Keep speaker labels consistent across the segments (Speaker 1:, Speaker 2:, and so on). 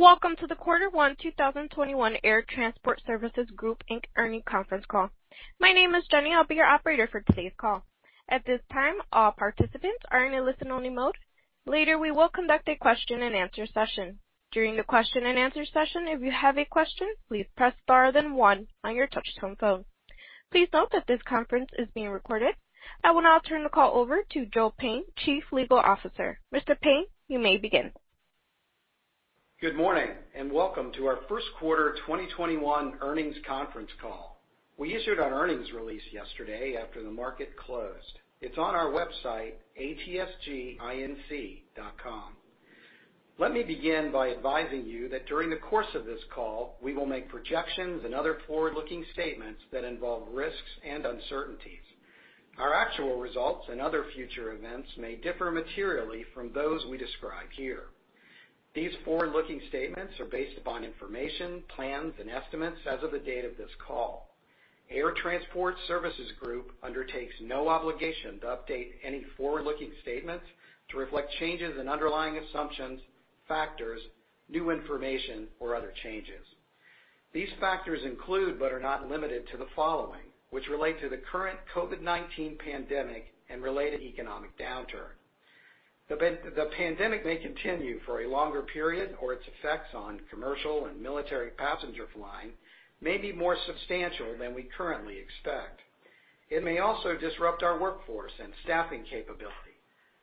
Speaker 1: Welcome to the Q1 2021 Air Transport Services Group Inc. earnings conference call. My name is Jenny. I'll be your operator for today's call. At this time, all participants are in a listen-only mode. Later, we will conduct a question and answer session. During the question and answer session, if you have a question, please press star then one on your touch-tone phone. Please note that this conference is being recorded. I will now turn the call over to Joseph Payne, Chief Legal Officer. Mr. Payne, you may begin.
Speaker 2: Good morning, and welcome to our Q1 2021 earnings conference call. We issued our earnings release yesterday after the market closed. It's on our website, atsginc.com. Let me begin by advising you that during the course of this call, we will make projections and other forward-looking statements that involve risks and uncertainties. Our actual results and other future events may differ materially from those we describe here. These forward-looking statements are based upon information, plans, and estimates as of the date of this call. Air Transport Services Group undertakes no obligation to update any forward-looking statements to reflect changes in underlying assumptions, factors, new information, or other changes. These factors include, but are not limited to, the following, which relate to the current COVID-19 pandemic and related economic downturn. The pandemic may continue for a longer period, or its effects on commercial and military passenger flying may be more substantial than we currently expect. It may also disrupt our workforce and staffing capability,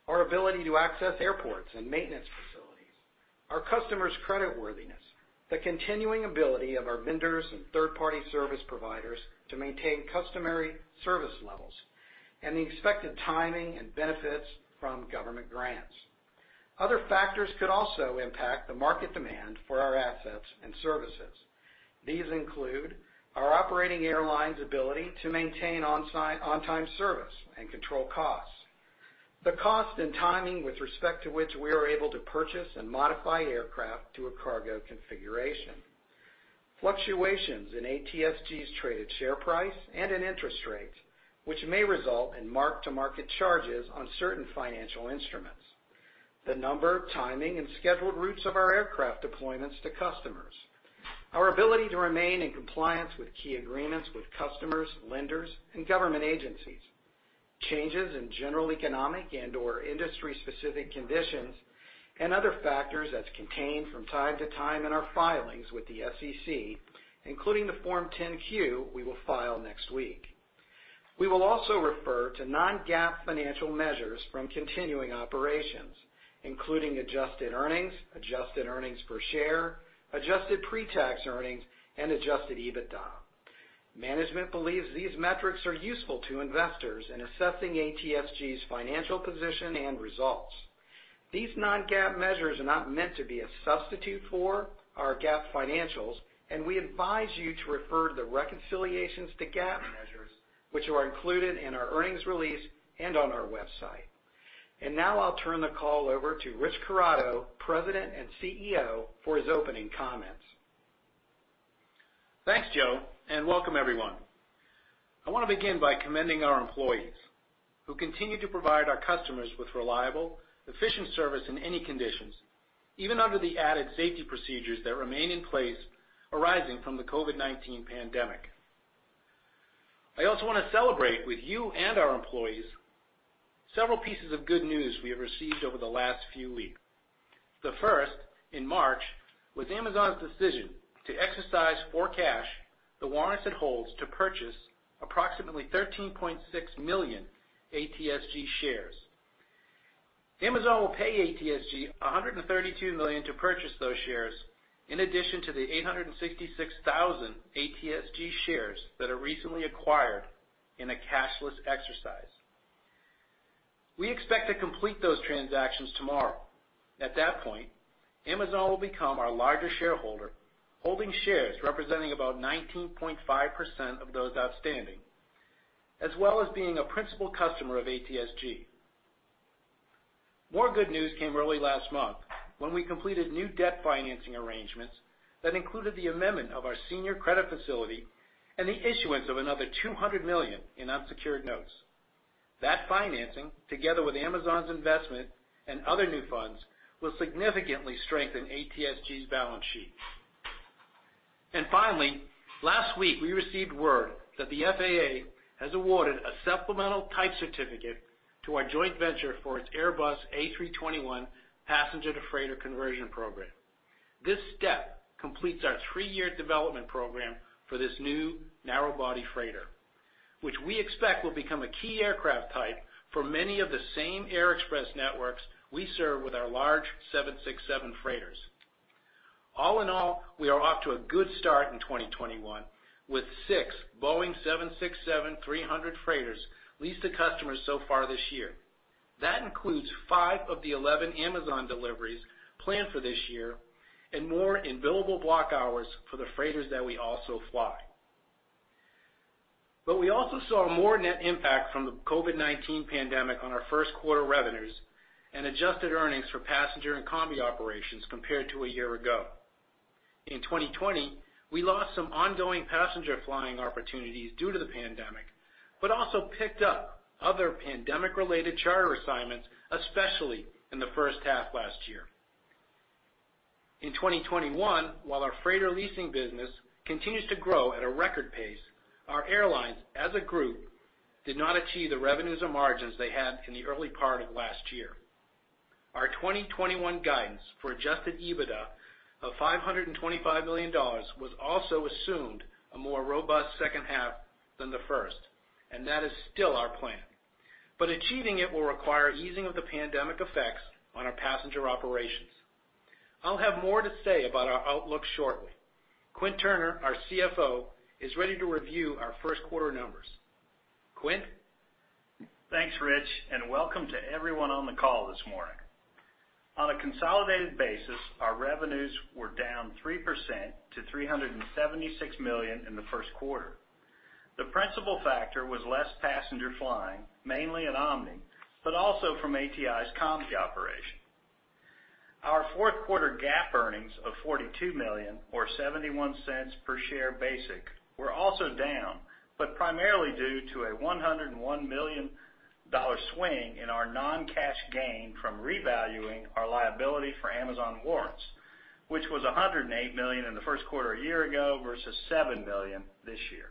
Speaker 2: our ability to access airports and maintenance facilities, our customers' creditworthiness, the continuing ability of our vendors and third-party service providers to maintain customary service levels, and the expected timing and benefits from government grants. Other factors could also impact the market demand for our assets and services. These include our operating airlines' ability to maintain on-time service and control costs, the cost and timing with respect to which we are able to purchase and modify aircraft to a cargo configuration, fluctuations in ATSG's traded share price and in interest rates, which may result in mark-to-market charges on certain financial instruments, the number, timing, and scheduled routes of our aircraft deployments to customers, our ability to remain in compliance with key agreements with customers, lenders, and government agencies, changes in general economic and/or industry-specific conditions, and other factors as contained from time to time in our filings with the SEC, including the Form 10-Q we will file next week. We will also refer to non-GAAP financial measures from continuing operations, including adjusted earnings, adjusted earnings per share, adjusted pre-tax earnings, and adjusted EBITDA. Management believes these metrics are useful to investors in assessing ATSG's financial position and results. These non-GAAP measures are not meant to be a substitute for our GAAP financials, and we advise you to refer to the reconciliations to GAAP measures, which are included in our earnings release and on our website. Now I'll turn the call over to Rich Corrado, President and CEO, for his opening comments.
Speaker 3: Thanks, Joseph, and welcome everyone. I want to begin by commending our employees, who continue to provide our customers with reliable, efficient service in any conditions, even under the added safety procedures that remain in place arising from the COVID-19 pandemic. I also want to celebrate with you and our employees several pieces of good news we have received over the last few weeks. The first, in March, was Amazon's decision to exercise for cash the warrants it holds to purchase approximately $13.6 million ATSG shares. Amazon will pay ATSG $132 million to purchase those shares, in addition to the $866,000 ATSG shares that it recently acquired in a cashless exercise. We expect to complete those transactions tomorrow. At that point, Amazon will become our largest shareholder, holding shares representing about 19.5% of those outstanding, as well as being a principal customer of ATSG. More good news came early last month when we completed new debt financing arrangements that included the amendment of our senior credit facility and the issuance of another $200 million in unsecured notes. That financing, together with Amazon's investment and other new funds, will significantly strengthen ATSG's balance sheet. Finally, last week, we received word that the FAA has awarded a supplemental type certificate to our joint venture for its Airbus A321 passenger-to-freighter conversion program. This step completes our three-year development program for this new narrow-body freighter, which we expect will become a key aircraft type for many of the same air express networks we serve with our large 767 freighters. All in all, we are off to a good start in 2021, with six Boeing 767-300 freighters leased to customers so far this year. That includes 5 of the 11 Amazon deliveries planned for this year and more in billable block hours for the freighters that we also fly. We also saw more net impact from the COVID-19 pandemic on our Q1 revenues and adjusted earnings for passenger and combi operations compared to a year ago. In 2020, we lost some ongoing passenger flying opportunities due to the pandemic, but also picked up other pandemic-related charter assignments, especially in the H1 last year. In 2021, while our freighter leasing business continues to grow at a record pace, our airlines, as a group, did not achieve the revenues and margins they had in the early part of last year. Our 2021 guidance for adjusted EBITDA of $525 million was also assumed a more robust H2 than the first. That is still our plan.
Speaker 4: Achieving it will require easing of the pandemic effects on our passenger operations. I'll have more to say about our outlook shortly. Quint O. Turney, our CFO, is ready to review our Q1 numbers. Quint? Thanks, Rich, and welcome to everyone on the call this morning. On a consolidated basis, our revenues were down 3% to $376 million in the Q1. The principal factor was less passenger flying, mainly in Omni, but also from ATI's combi operation. Our Q1 GAAP earnings of $42 million or $0.71 per share basic were also down, but primarily due to a $101 million swing in our non-cash gain from revaluing our liability for Amazon warrants, which was $108 million in the Q1 a year ago versus $7 million this year.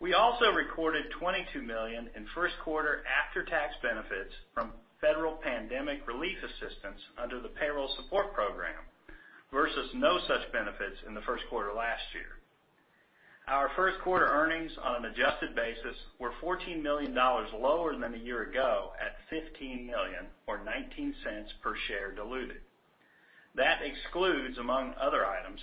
Speaker 4: We also recorded $22 million in Q1 after-tax benefits from federal pandemic relief assistance under the Payroll Support Program, versus no such benefits in the Q1 last year. Our first quarter earnings on an adjusted basis were $14 million lower than a year ago at $15 million, or $0.19 per share diluted. That excludes, among other items,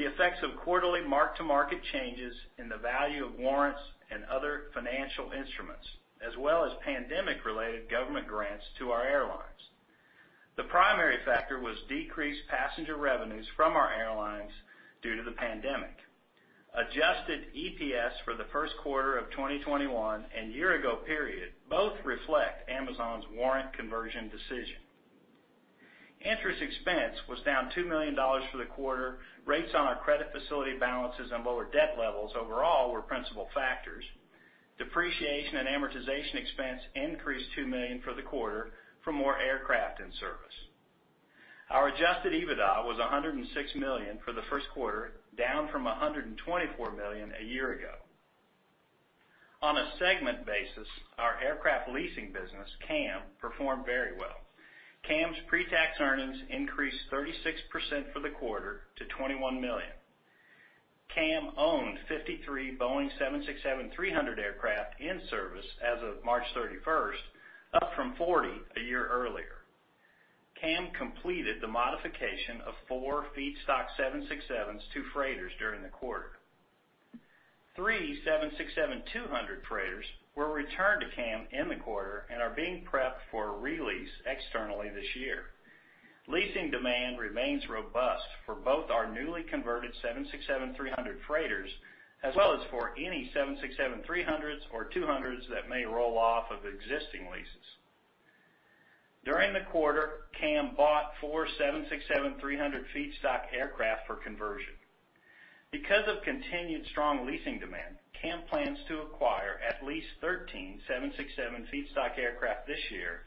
Speaker 4: the effects of quarterly mark-to-market changes in the value of warrants and other financial instruments, as well as pandemic-related government grants to our airlines. The primary factor was decreased passenger revenues from our airlines due to the pandemic. Adjusted EPS for the Q1 of 2021 and year ago period both reflect Amazon's warrant conversion decision. Interest expense was down $2 million for the quarter. Rates on our credit facility balances and lower debt levels overall were principal factors. Depreciation and amortization expense increased $2 million for the quarter for more aircraft in service. Our adjusted EBITDA was $106 million for the Q1, down from $124 million a year ago. On a segment basis, our aircraft leasing business, CAM, performed very well. CAM's pre-tax earnings increased 36% for the quarter to $21 million. CAM owned 53 Boeing 767-300 aircraft in service as of March 31st, up from 40 a year earlier. CAM completed the modification of four feedstock 767s to freighters during the quarter. Three 767-200 freighters were returned to CAM in the quarter and are being prepped for re-lease externally this year. Leasing demand remains robust for both our newly converted 767-300 freighters, as well as for any 767-300s or 200s that may roll off of existing leases. During the quarter, CAM bought four 767-300 feedstock aircraft for conversion. Because of continued strong leasing demand, CAM plans to acquire at least 13 767 feedstock aircraft this year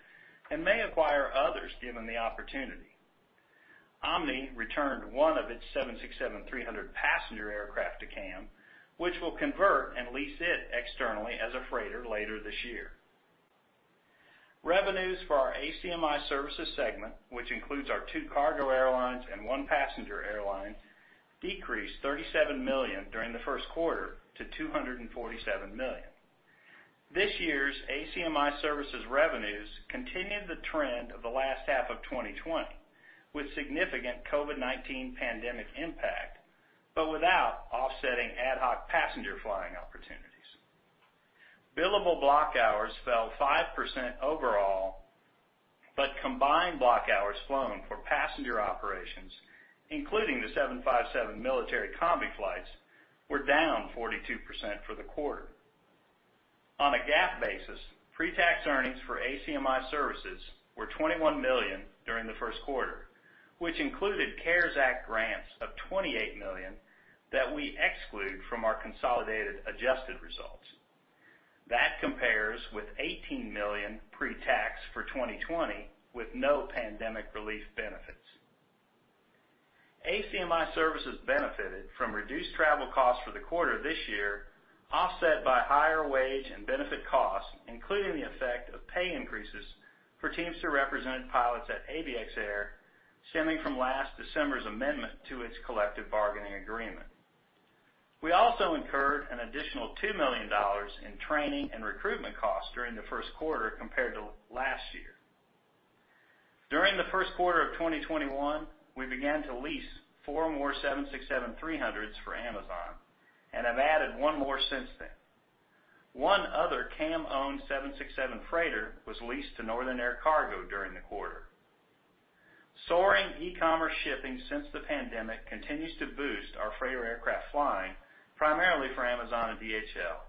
Speaker 4: and may acquire others given the opportunity. Omni returned one of its 767-300 passenger aircraft to CAM, which will convert and lease it externally as a freighter later this year. Revenues for our ACMI Services segment, which includes our two cargo airlines and one passenger airline, decreased $37 million during the Q1 to $247 million. This year's ACMI Services revenues continued the trend of the last half of 2020, with significant COVID-19 pandemic impact, but without offsetting ad hoc passenger flying opportunities. Billable block hours fell 5% overall, but combined block hours flown for passenger operations, including the 757 military combi flights, were down 42% for the quarter. On a GAAP basis, pre-tax earnings for ACMI Services were $21 million during the Q1, which included CARES Act grants of $28 million that we exclude from our consolidated adjusted results. That compares with $18 million pre-tax for 2020 with no pandemic relief benefits. ACMI Services benefited from reduced travel costs for the quarter this year, offset by higher wage and benefit costs, including the effect of pay increases for Teamsters represent pilots at ABX Air stemming from last December's amendment to its collective bargaining agreement. We also incurred an additional $2 million in training and recruitment costs during the Q1 compared to last year. During the Q1 of 2021, we began to lease four more 767-300s for Amazon and have added one more since then. One other CAM-owned 767 freighter was leased to Northern Air Cargo during the quarter. Soaring e-commerce shipping since the pandemic continues to boost our freighter aircraft flying primarily for Amazon and DHL.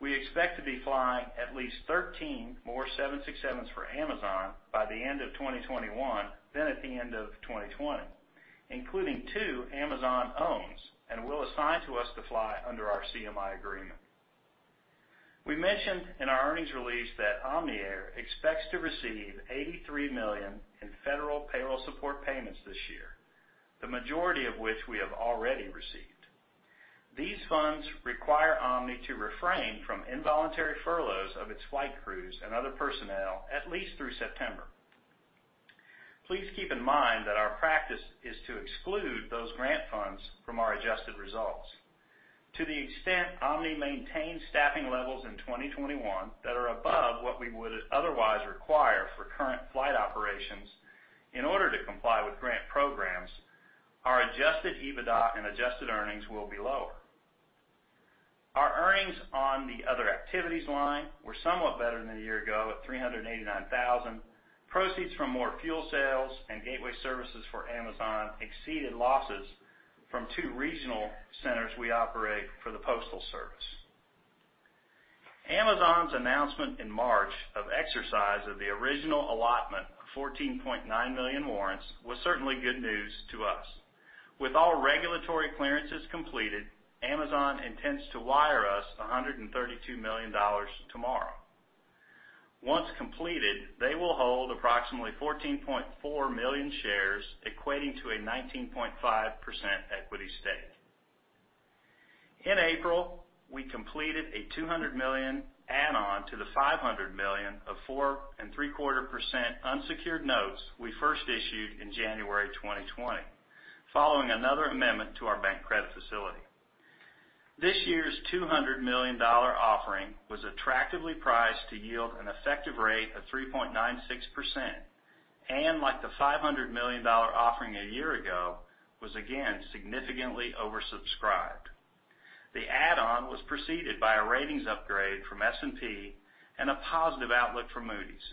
Speaker 4: We expect to be flying at least 13 more 767s for Amazon by the end of 2021 than at the end of 2020, including two Amazon owns and will assign to us to fly under our CMI agreement. We mentioned in our earnings release that Omni Air expects to receive $83 million in federal payroll support payments this year, the majority of which we have already received. These funds require Omni to refrain from involuntary furloughs of its flight crews and other personnel at least through September. Please keep in mind that our practice is to exclude those grant funds from our adjusted results. To the extent Omni maintains staffing levels in 2021 that are above what we would otherwise require for current flight operations in order to comply with grant programs, our adjusted EBITDA and adjusted earnings will be lower. Our earnings on the other activities line were somewhat better than a year ago at $389,000. Proceeds from more fuel sales and gateway services for Amazon exceeded losses from two regional centers we operate for the Postal Service. Amazon's announcement in March of exercise of the original allotment of 14.9 million warrants was certainly good news to us. With all regulatory clearances completed, Amazon intends to wire us $132 million tomorrow. Once completed, they will hold approximately 14.4 million shares, equating to a 19.5% equity stake. In April, we completed a $200 million add-on to the $500 million of 4.75% unsecured notes we first issued in January 2020, following another amendment to our bank credit facility. This year's $200 million offering was attractively priced to yield an effective rate of 3.96%, and like the $500 million offering a year ago, was again significantly oversubscribed. The add-on was preceded by a ratings upgrade from S&P and a positive outlook from Moody's.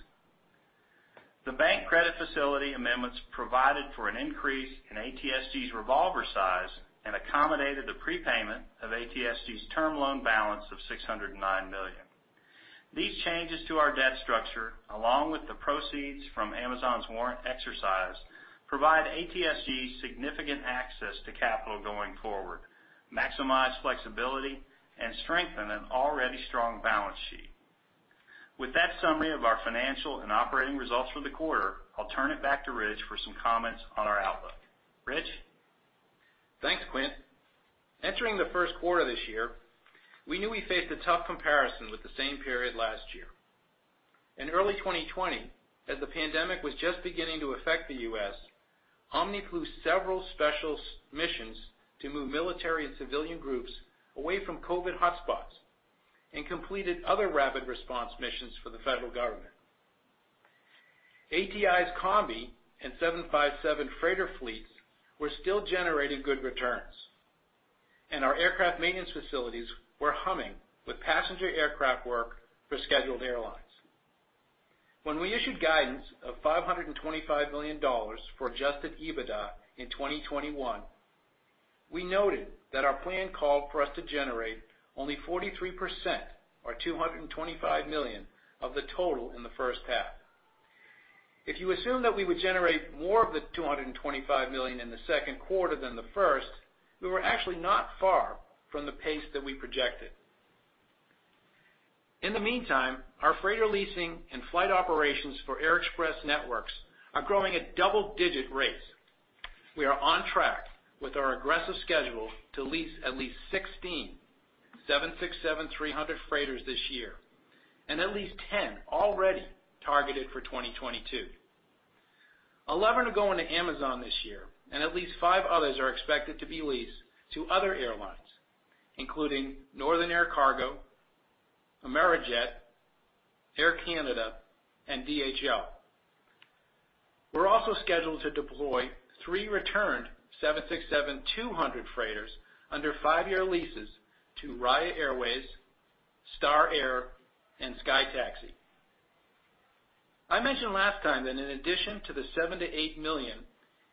Speaker 4: The bank credit facility amendments provided for an increase in ATSG's revolver size and accommodated the prepayment of ATSG's term loan balance of $609 million. These changes to our debt structure, along with the proceeds from Amazon's warrant exercise, provide ATSG significant access to capital going forward, maximize flexibility, and strengthen an already strong balance sheet. With that summary of our financial and operating results for the quarter, I'll turn it back to Rich for some comments on our outlook. Rich?
Speaker 3: Thanks, Quint. Entering the first quarter this year, we knew we faced a tough comparison with the same period last year. In early 2020, as the pandemic was just beginning to affect the U.S., Omni flew several special missions to move military and civilian groups away from COVID hotspots and completed other rapid response missions for the federal government. ATI's combi and 757 freighter fleets were still generating good returns, and our aircraft maintenance facilities were humming with passenger aircraft work for scheduled airlines. When we issued guidance of $525 million for adjusted EBITDA in 2021, we noted that our plan called for us to generate only 43%, or $225 million of the total in the H1. If you assume that we would generate more of the $225 million in the Q2 than the first, we were actually not far from the pace that we projected. In the meantime, our freighter leasing and flight operations for Air Express networks are growing at double-digit rates. We are on track with our aggressive schedule to lease at least 16 767-300 freighters this year and at least 10 already targeted for 2022. 11 are going to Amazon this year, and at least five others are expected to be leased to other airlines, including Northern Air Cargo, Amerijet, Air Canada, and DHL. We're also scheduled to deploy three returned 767-200 freighters under five-year leases to Raya Airways, Star Air, and SkyTaxi. I mentioned last time that in addition to the $7 million to $8 million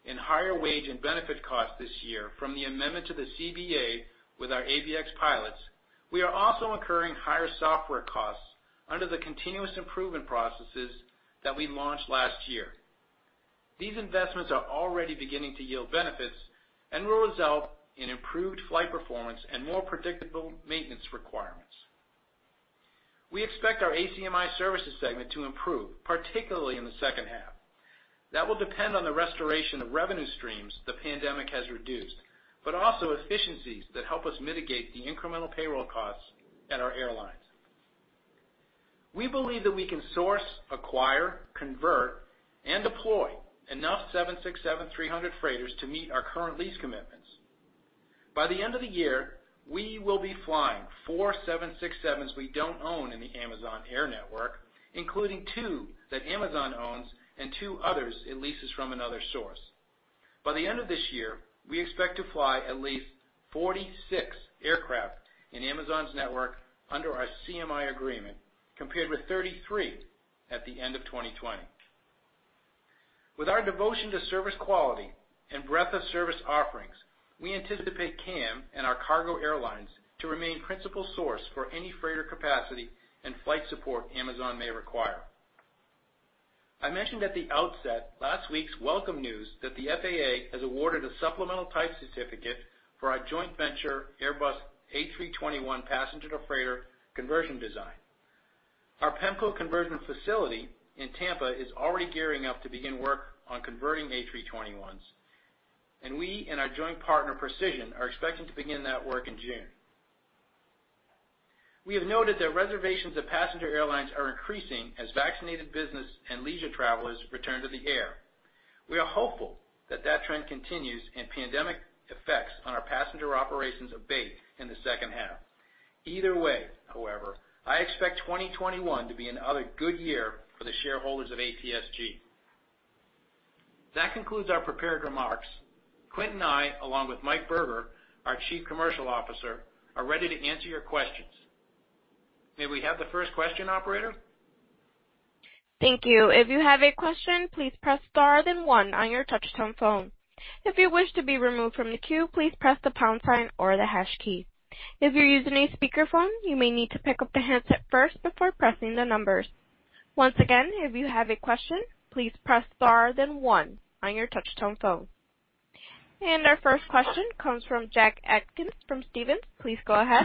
Speaker 3: in higher wage and benefit costs this year from the amendment to the CBA with our ABX pilots, we are also incurring higher software costs under the continuous improvement processes that we launched last year. These investments are already beginning to yield benefits and will result in improved flight performance and more predictable maintenance requirements. We expect our ACMI Services segment to improve, particularly in the H2. That will depend on the restoration of revenue streams the pandemic has reduced, but also efficiencies that help us mitigate the incremental payroll costs at our airlines. We believe that we can source, acquire, convert, and deploy enough 767-300 freighters to meet our current lease commitments. By the end of the year, we will be flying four 767s we don't own in the Amazon Air network, including two that Amazon owns and two others it leases from another source. By the end of this year, we expect to fly at least 46 aircraft in Amazon's network under our CMI agreement, compared with 33 at the end of 2020. With our devotion to service quality and breadth of service offerings, we anticipate CAM and our cargo airlines to remain principal source for any freighter capacity and flight support Amazon may require. I mentioned at the outset last week's welcome news that the FAA has awarded a supplemental type certificate for our joint venture Airbus A321 passenger-to-freighter conversion design. Our PEMCO conversion facility in Tampa is already gearing up to begin work on converting A321s, and we and our joint partner, Precision, are expecting to begin that work in June. We have noted that reservations of passenger airlines are increasing as vaccinated business and leisure travelers return to the air. We are hopeful that that trend continues and pandemic effects on our passenger operations abate in the second half. Either way, however, I expect 2021 to be another good year for the shareholders of ATSG. That concludes our prepared remarks. Quint and I, along with Mike Berger, our chief commercial officer, are ready to answer your questions. May we have the first question, operator?
Speaker 1: Our first question comes from Jack Atkins from Stephens. Please go ahead.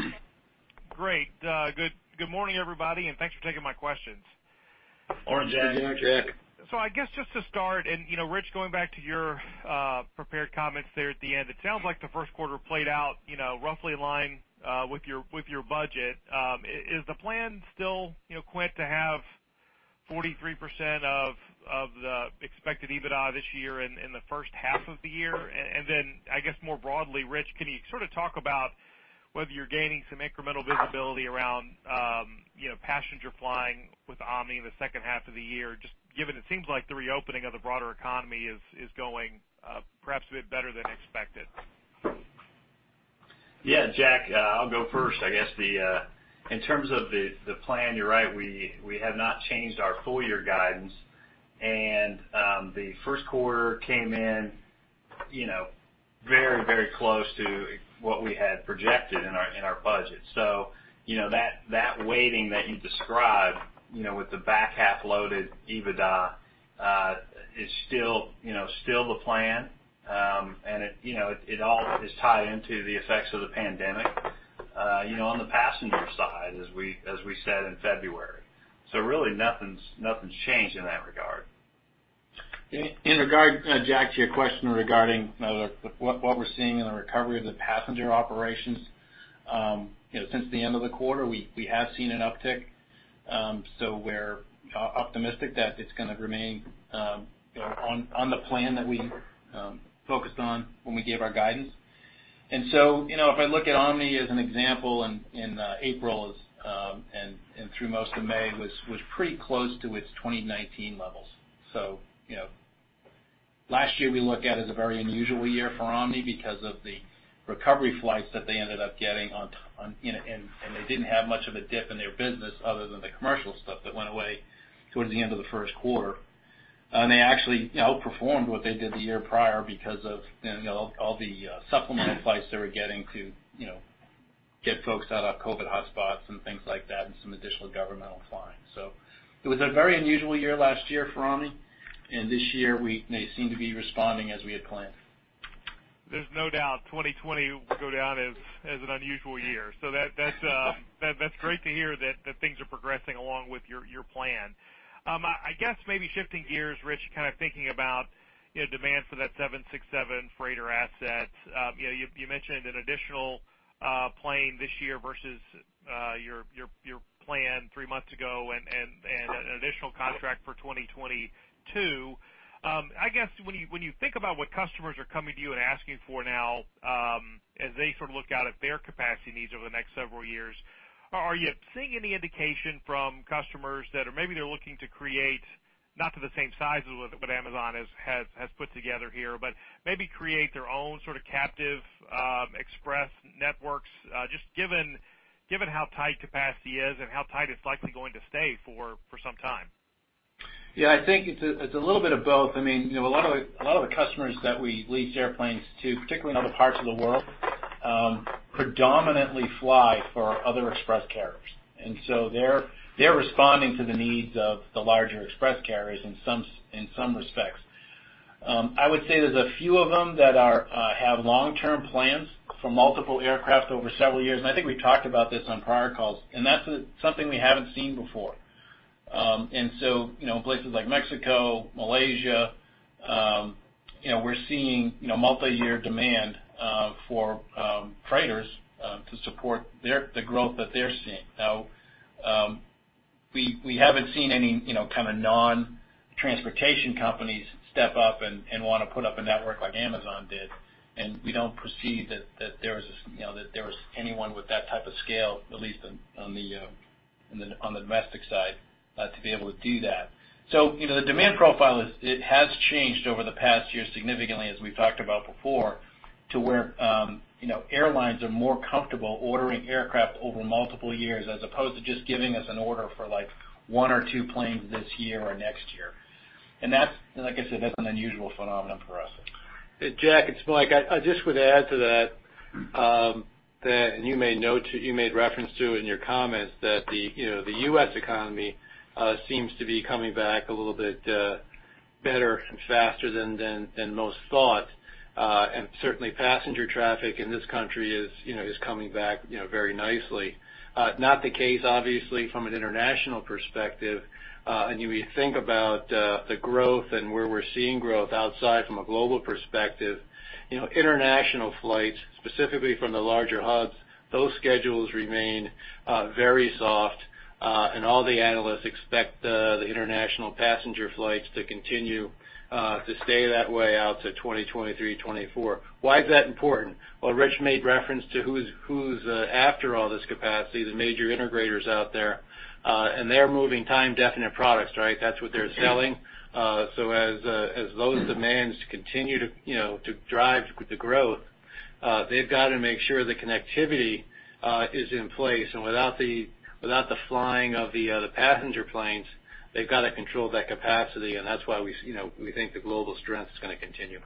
Speaker 5: Great. Good morning, everybody, and thanks for taking my questions.
Speaker 3: Morning, Jack.
Speaker 4: Good morning, Jack.
Speaker 5: I guess just to start, and Rich, going back to your prepared comments there at the end, it sounds like the Q1 played out roughly in line with your budget. Is the plan still, Quint, to have 43% of the expected EBITDA this year in the first half of the year? I guess more broadly, Rich, can you sort of talk about whether you're gaining some incremental visibility around passenger flying with Omni in the H2 of the year, just given it seems like the reopening of the broader economy is going perhaps a bit better than expected?
Speaker 4: Yeah, Jack, I'll go first. I guess in terms of the plan, you're right. We have not changed our full-year guidance, and the first quarter came in very close to what we had projected in our budget. That weighting that you described, with the back-half-loaded EBITDA, is still the plan. It all is tied into the effects of the pandemic on the passenger side, as we said in February. Really nothing's changed in that regard.
Speaker 3: In regard, Jack, to your question regarding what we're seeing in the recovery of the passenger operations. Since the end of the quarter, we have seen an uptick. We're optimistic that it's going to remain on the plan that we focused on when we gave our guidance. If I look at Omni as an example in April and through most of May, was pretty close to its 2019 levels. Last year we look at as a very unusual year for Omni because of the recovery flights that they ended up getting, and they didn't have much of a dip in their business other than the commercial stuff that went away towards the end of the Q1. They actually outperformed what they did the year prior because of all the supplemental flights they were getting to get folks out of COVID-19 hotspots and things like that, and some additional governmental flying. It was a very unusual year last year for Omni, and this year they seem to be responding as we had planned.
Speaker 5: There's no doubt 2020 will go down as an unusual year. That's great to hear that things are progressing along with your plan. I guess maybe shifting gears, Rich, kind of thinking about demand for that 767 freighter asset. You mentioned an additional plane this year versus your plan three months ago and an additional contract for 2022. I guess when you think about what customers are coming to you and asking for now as they sort of look out at their capacity needs over the next several years, are you seeing any indication from customers that are maybe they're looking to create, not to the same size as what Amazon has put together here, but maybe create their own sort of captive express networks, just given how tight capacity is and how tight it's likely going to stay for some time?
Speaker 3: Yeah, I think it's a little bit of both. A lot of the customers that we lease airplanes to, particularly in other parts of the world, predominantly fly for other express carriers, and so they're responding to the needs of the larger express carriers in some respects. I would say there's a few of them that have long-term plans for multiple aircraft over several years, and I think we've talked about this on prior calls, and that's something we haven't seen before. Places like Mexico, Malaysia, we're seeing multi-year demand for freighters to support the growth that they're seeing. Now, we haven't seen any kind of non-transportation companies step up and want to put up a network like Amazon did, and we don't perceive that there is anyone with that type of scale, at least on the domestic side, to be able to do that. The demand profile, it has changed over the past year significantly, as we've talked about before. To where airlines are more comfortable ordering aircraft over multiple years as opposed to just giving us an order for one or two planes this year or next year. Like I said, that's an unusual phenomenon for us.
Speaker 6: Jack, it's Mike. I just would add to that, and you made reference to it in your comments, that the U.S. economy seems to be coming back a little bit better and faster than most thought. Certainly, passenger traffic in this country is coming back very nicely. Not the case, obviously, from an international perspective. You think about the growth and where we're seeing growth outside from a global perspective. International flights, specifically from the larger hubs, those schedules remain very soft. All the analysts expect the international passenger flights to continue to stay that way out to 2023, 2024. Why is that important? Rich made reference to who's after all this capacity, the major integrators out there, and they're moving time-definite products. That's what they're selling. As those demands continue to drive the growth, they've got to make sure the connectivity is in place. Without the flying of the passenger planes, they've got to control that capacity, and that's why we think the global strength is going to continue.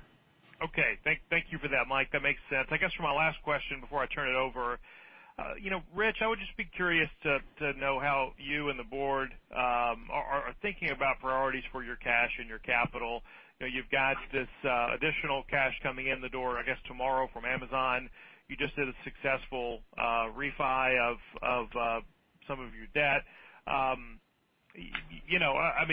Speaker 5: Okay. Thank you for that, Mike. That makes sense. I guess for my last question before I turn it over, Rich, I would just be curious to know how you and the board are thinking about priorities for your cash and your capital. You've got this additional cash coming in the door, I guess, tomorrow from Amazon. You just did a successful refi of some of your debt.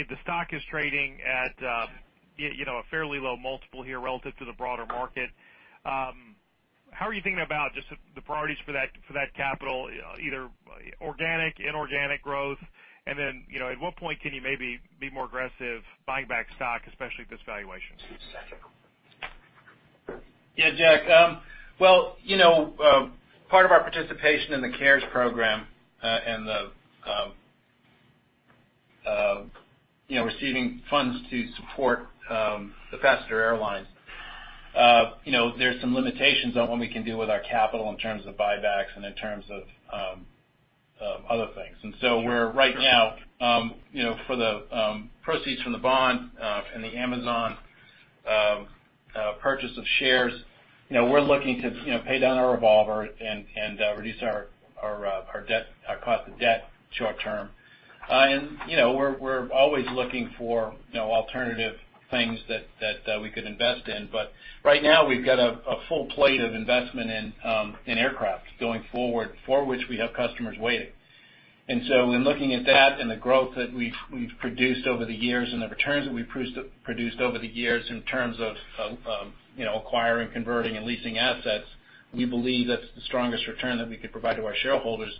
Speaker 5: The stock is trading at a fairly low multiple here relative to the broader market. How are you thinking about just the priorities for that capital, either organic, inorganic growth? At what point can you maybe be more aggressive buying back stock, especially at this valuation?
Speaker 3: Yeah, Jack. Well, part of our participation in the CARES Program, and the receiving funds to support the freighter airlines, there's some limitations on what we can do with our capital in terms of buybacks and in terms of other things. So we're right now for the proceeds from the bond and the Amazon purchase of shares, we're looking to pay down our revolver and reduce our cost of debt short-term. We're always looking for alternative things that we could invest in. Right now, we've got a full plate of investment in aircraft going forward, for which we have customers waiting. In looking at that and the growth that we've produced over the years and the returns that we've produced over the years in terms of acquiring, converting, and leasing assets, we believe that's the strongest return that we could provide to our shareholders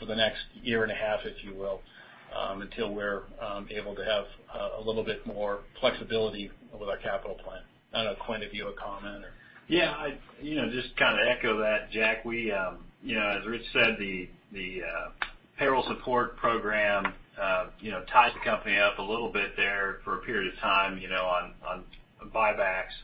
Speaker 3: for the next year and a half, if you will, until we're able to have a little bit more flexibility with our capital plan. I don't know, Quint, if you have a comment or.
Speaker 4: Yeah. I just kind of echo that, Jack. As Rich said, the Payroll Support Program tied the company up a little bit there for a period of time on buybacks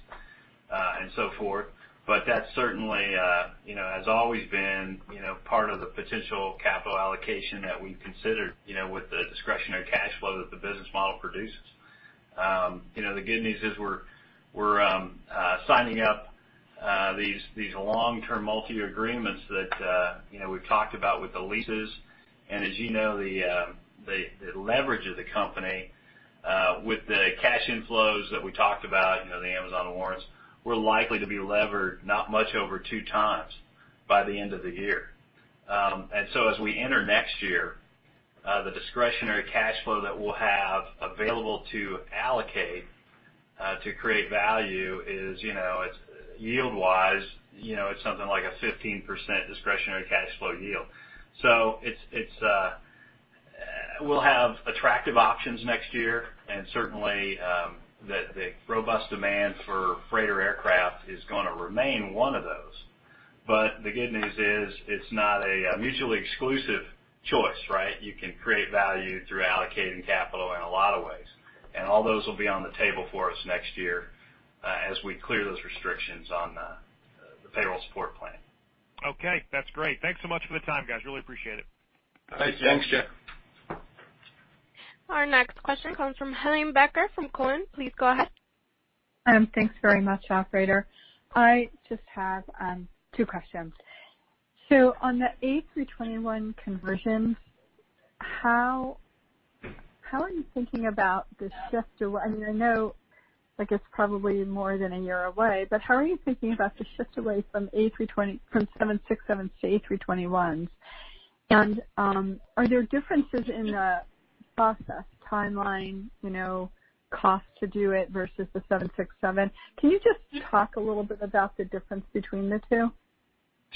Speaker 4: and so forth. That certainly has always been part of the potential capital allocation that we considered with the discretionary cash flow that the business model produces. The good news is we're signing up these long-term multi-year agreements that we've talked about with the leases. As you know, the leverage of the company with the cash inflows that we talked about, the Amazon warrants, we're likely to be levered not much over two times by the end of the year. As we enter next year, the discretionary cash flow that we'll have available to allocate to create value is, yield-wise, it's something like a 15% discretionary cash flow yield. We'll have attractive options next year, and certainly, the robust demand for freighter aircraft is going to remain one of those. The good news is it's not a mutually exclusive choice. You can create value through allocating capital in a lot of ways, and all those will be on the table for us next year as we clear those restrictions on the Payroll Support Program.
Speaker 5: Okay. That's great. Thanks so much for the time, guys. Really appreciate it.
Speaker 3: Thanks, Jack.
Speaker 4: Thanks, Jack.
Speaker 1: Our next question comes from Helane Becker from Cowen. Please go ahead.
Speaker 7: Thanks very much, operator. I just have two questions. On the A321 conversions, how are you thinking about the shift? I know it's probably more than a year away, but how are you thinking about the shift away from 767s to A321s? Are there differences in the process, timeline, cost to do it versus the 767? Can you just talk a little bit about the difference between the two?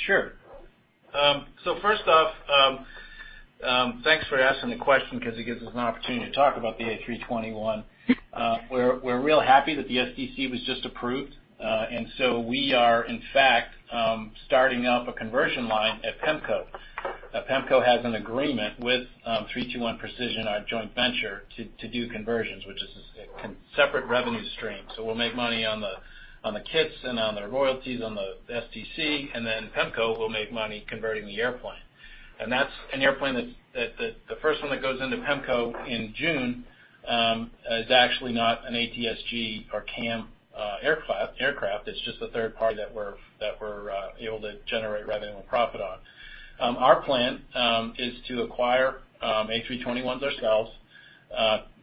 Speaker 3: Sure. First off, thanks for asking the question because it gives us an opportunity to talk about the A321. We're real happy that the STC was just approved. We are, in fact, starting up a conversion line at PEMCO. PEMCO has an agreement with 321 Precision, our joint venture, to do conversions, which is a separate revenue stream. We'll make money on the kits and on the royalties on the STC, and then PEMCO will make money converting the airplane. The first one that goes into PEMCO in June is actually not an ATSG or CAM aircraft. It's just a third party that we're able to generate revenue and profit on. Our plan is to acquire A321s ourselves,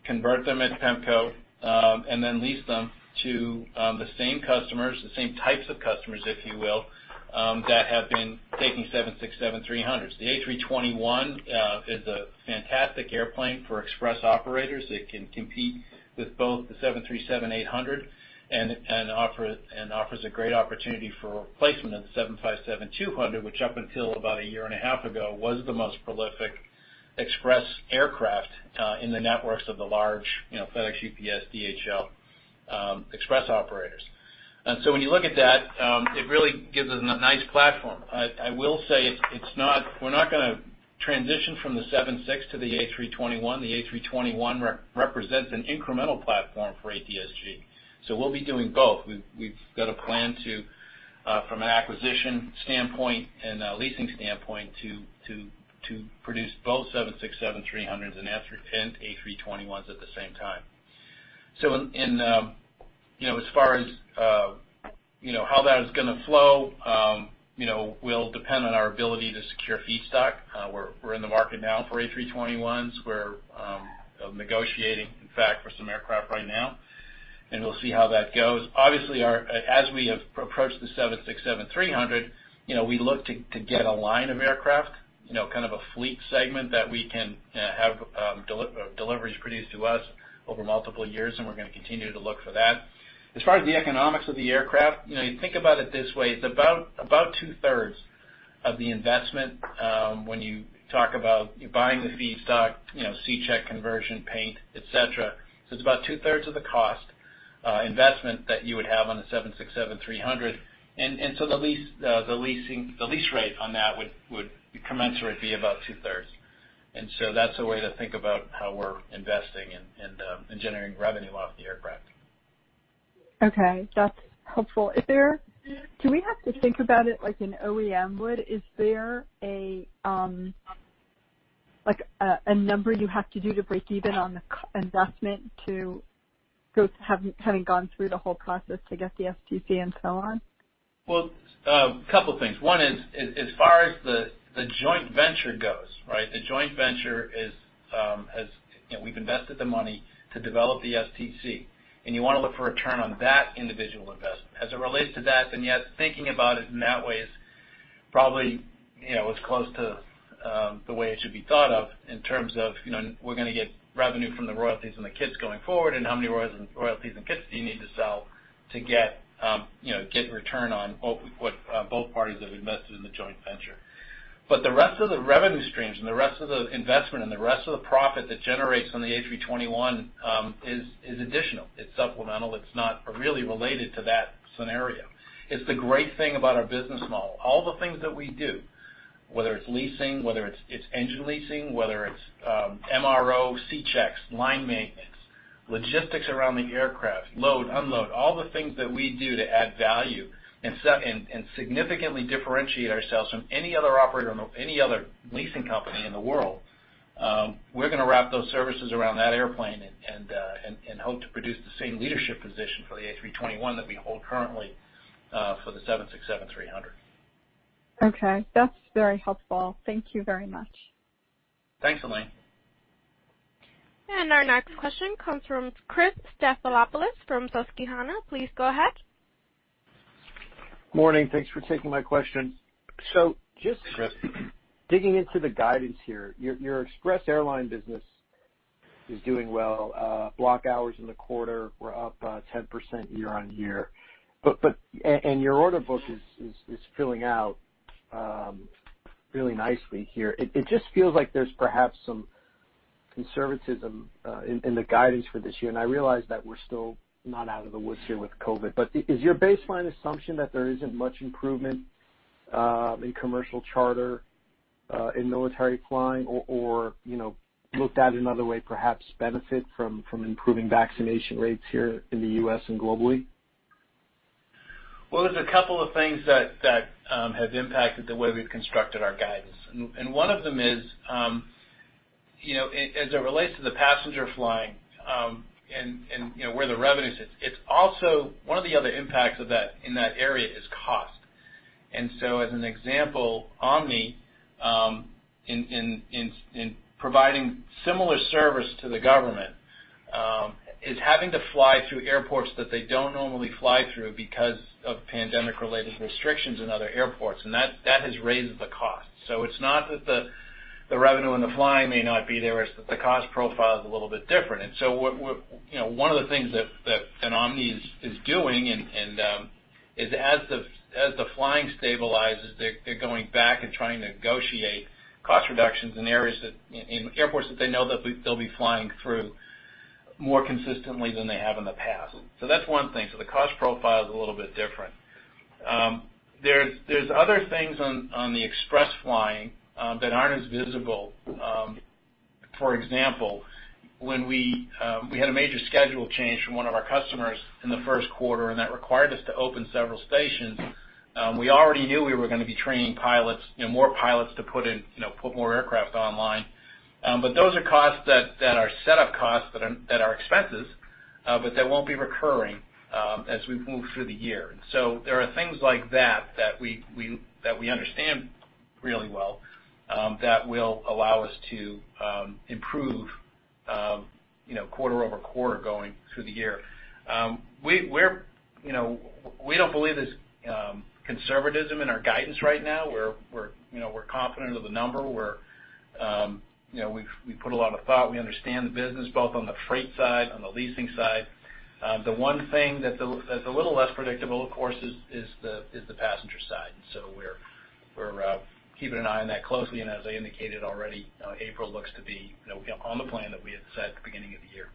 Speaker 3: convert them at PEMCO, and then lease them to the same customers, the same types of customers, if you will, that have been taking 767-300s. The A321 is a fantastic airplane for express operators. It can compete with both the 737-800 and offers a great opportunity for replacement of the 757-200, which up until about a year and a half ago, was the most prolific express aircraft in the networks of the large FedEx, UPS, DHL express operators. When you look at that, it really gives us a nice platform. I will say, we're not going to transition from the 76 to the A321. The A321 represents an incremental platform for ATSG. We'll be doing both. We've got a plan to, from an acquisition standpoint and a leasing standpoint, to produce both 767-300s and A321s at the same time. As far as how that is going to flow, will depend on our ability to secure feedstock. We're in the market now for A321s. We're negotiating, in fact, for some aircraft right now, and we'll see how that goes. Obviously, as we approach the 767-300, we look to get a line of aircraft, kind of a fleet segment that we can have deliveries produced to us over multiple years, and we're going to continue to look for that. As far as the economics of the aircraft, you think about it this way. It's about two-thirds of the investment when you talk about buying the feedstock, C-check conversion, paint, et cetera. It's about two-thirds of the cost investment that you would have on a 767-300. The lease rate on that would commensurately be about two-thirds. That's a way to think about how we're investing and generating revenue off the aircraft.
Speaker 7: Okay. That's helpful. Do we have to think about it like an OEM would? Is there a number you have to do to break even on the investment, having gone through the whole process to get the STC and so on?
Speaker 3: Well, a couple things. One is, as far as the joint venture goes, right? The joint venture is, we've invested the money to develop the STC, and you want to look for a return on that individual investment. As it relates to that, then, yes, thinking about it in that way is probably as close to the way it should be thought of in terms of, we're going to get revenue from the royalties and the kits going forward, and how many royalties and kits do you need to sell to get return on what both parties have invested in the joint venture. The rest of the revenue streams and the rest of the investment and the rest of the profit that generates on the A321 is additional. It's supplemental. It's not really related to that scenario. It's the great thing about our business model. All the things that we do, whether it's leasing, whether it's engine leasing, whether it's MRO C checks, line maintenance, logistics around the aircraft, load, unload, all the things that we do to add value and significantly differentiate ourselves from any other operator or any other leasing company in the world, we're going to wrap those services around that airplane and hope to produce the same leadership position for the A321 that we hold currently for the 767-300.
Speaker 7: Okay. That's very helpful. Thank you very much.
Speaker 3: Thanks, Helane.
Speaker 1: Our next question comes from Christopher Stathopoulos from Susquehanna. Please go ahead.
Speaker 8: Morning. Thanks for taking my question.
Speaker 3: Chris
Speaker 8: digging into the guidance here, your express airline business is doing well. Block hours in the quarter were up 10% year-on-year. Your order book is filling out really nicely here. It just feels like there's perhaps some conservatism in the guidance for this year, and I realize that we're still not out of the woods here with COVID, but is your baseline assumption that there isn't much improvement in commercial charter, in military flying or, looked at another way, perhaps benefit from improving vaccination rates here in the U.S. and globally?
Speaker 3: Well, there's a couple of things that have impacted the way we've constructed our guidance. One of them is, as it relates to the passenger flying, and where the revenue sits, one of the other impacts in that area is cost. As an example, Omni, in providing similar service to the government, is having to fly through airports that they don't normally fly through because of pandemic-related restrictions in other airports, and that has raised the cost. It's not that the revenue and the flying may not be there, it's that the cost profile is a little bit different. One of the things that Omni is doing, is as the flying stabilizes, they're going back and trying to negotiate cost reductions in airports that they know that they'll be flying through more consistently than they have in the past. That's one thing. The cost profile is a little bit different. There's other things on the express flying that aren't as visible. For example, when we had a major schedule change from one of our customers in the Q1, and that required us to open several stations, we already knew we were going to be training more pilots to put more aircraft online. Those are costs that are set up costs that are expenses, but that won't be recurring as we move through the year. There are things like that that we understand really well, that will allow us to improve quarter over quarter going through the year. We don't believe there's conservatism in our guidance right now. We're confident of the number. We put a lot of thought. We understand the business both on the freight side, on the leasing side. The one thing that's a little less predictable, of course, is the passenger side. We're keeping an eye on that closely, and as I indicated already, April looks to be on the plan that we had set at the beginning of the year.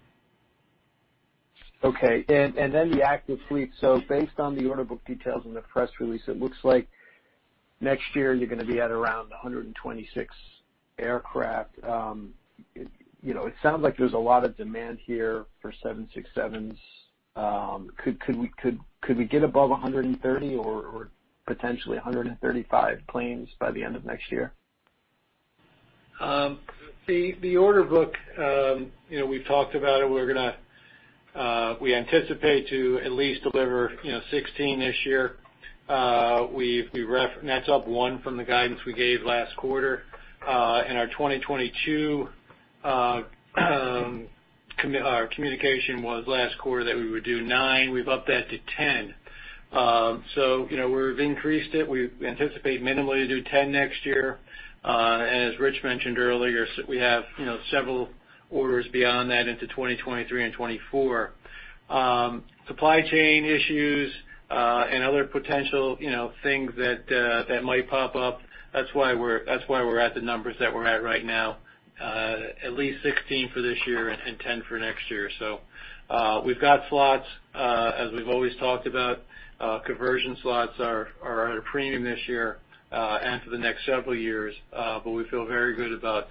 Speaker 8: Okay. The active fleet. Based on the order book details in the press release, it looks like next year you're going to be at around 126 aircraft. It sounds like there's a lot of demand here for 767s. Could we get above 130 or potentially 135 planes by the end of next year?
Speaker 6: The order book, we've talked about it. We anticipate to at least deliver 16 this year. That's up one from the guidance we gave last quarter. In our 2022, our communication was last quarter that we would do nine. We've upped that to 10. We've increased it. We anticipate minimally to do 10 next year. As Rich mentioned earlier, we have several orders beyond that into 2023 and 2024. Supply chain issues, and other potential things that might pop up, that's why we're at the numbers that we're at right now, at least 16 for this year and 10 for next year. We've got slots, as we've always talked about. Conversion slots are at a premium this year, and for the next several years. We feel very good about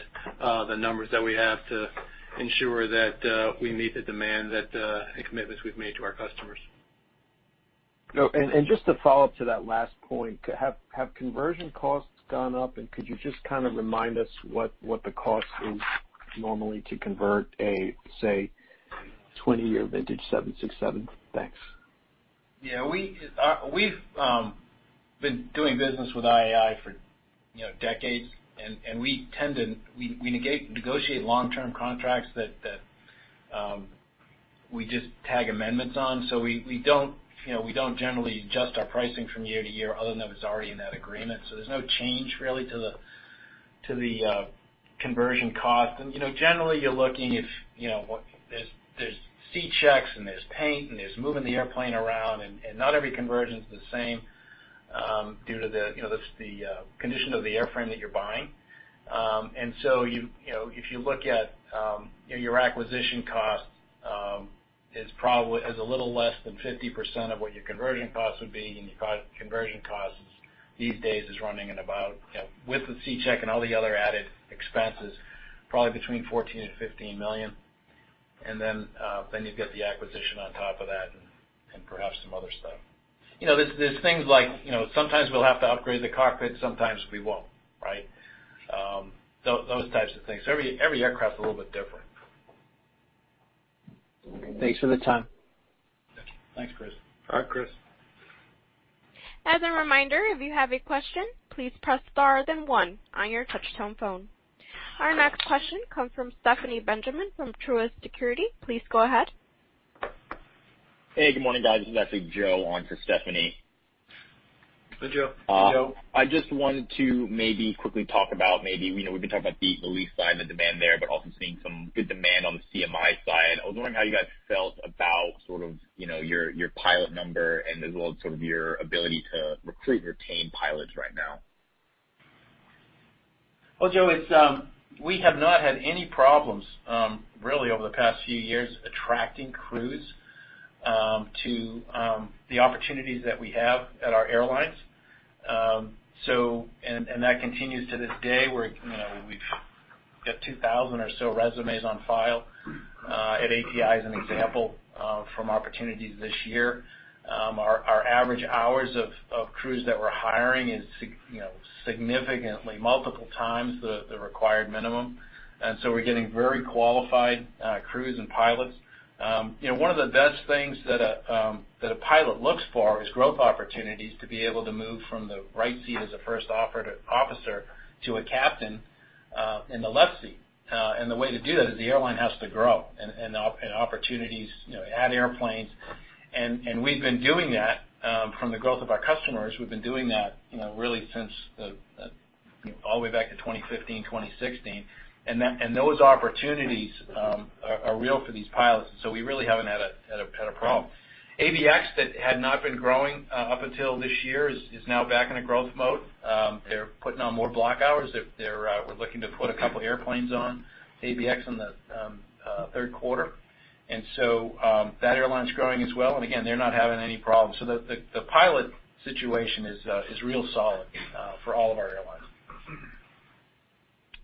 Speaker 6: the numbers that we have to ensure that we meet the demand and commitments we've made to our customers.
Speaker 8: Just to follow up to that last point, have conversion costs gone up? Could you just kind of remind us what the cost is normally to convert a, say, 20-year vintage 767? Thanks.
Speaker 3: Yeah. We've been doing business with IAI for decades, we negotiate long-term contracts that we just tag amendments on. We don't generally adjust our pricing from year to year, other than if it's already in that agreement. There's no change, really, to the conversion cost. Generally, you're looking if there's C checks, and there's paint, and there's moving the airplane around, and not every conversion's the same due to the condition of the airframe that you're buying. So if you look at your acquisition cost is a little less than 50% of what your conversion cost would be, and your conversion cost these days is running at about, with the C check and all the other added expenses, probably between $14 million and $15 million. Then you'd get the acquisition on top of that, and perhaps some other stuff. There's things like, sometimes we'll have to upgrade the cockpit, sometimes we won't. Right? Those types of things. Every aircraft is a little bit different.
Speaker 8: Okay. Thanks for the time.
Speaker 3: Thank you. Thanks, Chris.
Speaker 4: All right, Chris.
Speaker 1: Our next question comes from Stephanie Benjamin from Truist Securities. Please go ahead.
Speaker 9: Hey, good morning, guys. This is actually Joe on for Stephanie.
Speaker 4: Hi, Joe. Joe.
Speaker 9: I just wanted to quickly talk about, we've been talking about the lease side and the demand there, but also seeing some good demand on the CMI side. I was wondering how you guys felt about sort of your pilot number, and as well sort of your ability to recruit and retain pilots right now.
Speaker 3: Well, Joe, we have not had any problems, really, over the past few years, attracting crews to the opportunities that we have at our airlines. That continues to this day. We've got 2,000 or so resumes on file at ATI as an example, from opportunities this year. Our average hours of crews that we're hiring is significantly multiple times the required minimum. We're getting very qualified crews and pilots. One of the best things that a pilot looks for is growth opportunities to be able to move from the right seat as a first officer to a captain in the left seat. The way to do that is the airline has to grow and opportunities, add airplanes. We've been doing that from the growth of our customers. We've been doing that really all the way back to 2015, 2016. Those opportunities are real for these pilots, and so we really haven't had a problem. ABX that had not been growing up until this year is now back in a growth mode. They're putting on more block hours. We're looking to put a couple airplanes on ABX in the Q3. That airline is growing as well, and again, they're not having any problems. The pilot situation is real solid for all of our airlines.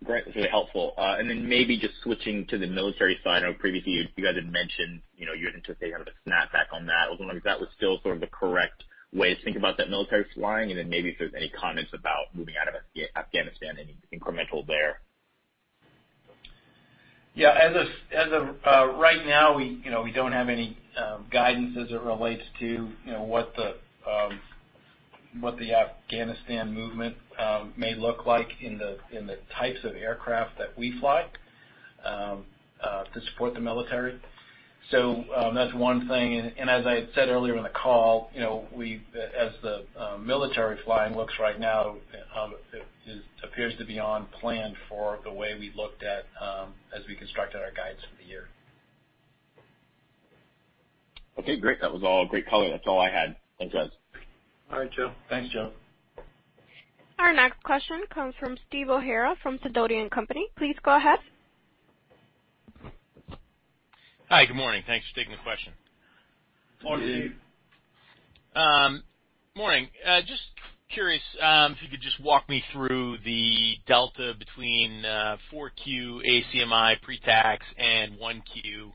Speaker 9: Great. That's really helpful. Maybe just switching to the military side. I know previously you guys had mentioned you would anticipate kind of a snapback on that. I was wondering if that was still sort of the correct way to think about that military flying, and then maybe if there's any comments about moving out of Afghanistan, any incremental there.
Speaker 3: Yeah. As of right now, we don't have any guidance as it relates to what the Afghanistan movement may look like in the types of aircraft that we fly to support the military. That's one thing, and as I had said earlier in the call, as the military flying looks right now, it appears to be on plan for the way we looked at as we constructed our guides for the year.
Speaker 9: Okay, great. That was all great color. That's all I had. Thanks, guys.
Speaker 4: All right, Joe. Thanks, Joe.
Speaker 1: Our next question comes from Stephen O'Hara from Sidoti & Company. Please go ahead.
Speaker 10: Hi, good morning. Thanks for taking the question.
Speaker 4: Morning, Stephen.
Speaker 10: Morning. Just curious if you could just walk me through the delta between Q4 ACMI pretax and Q1.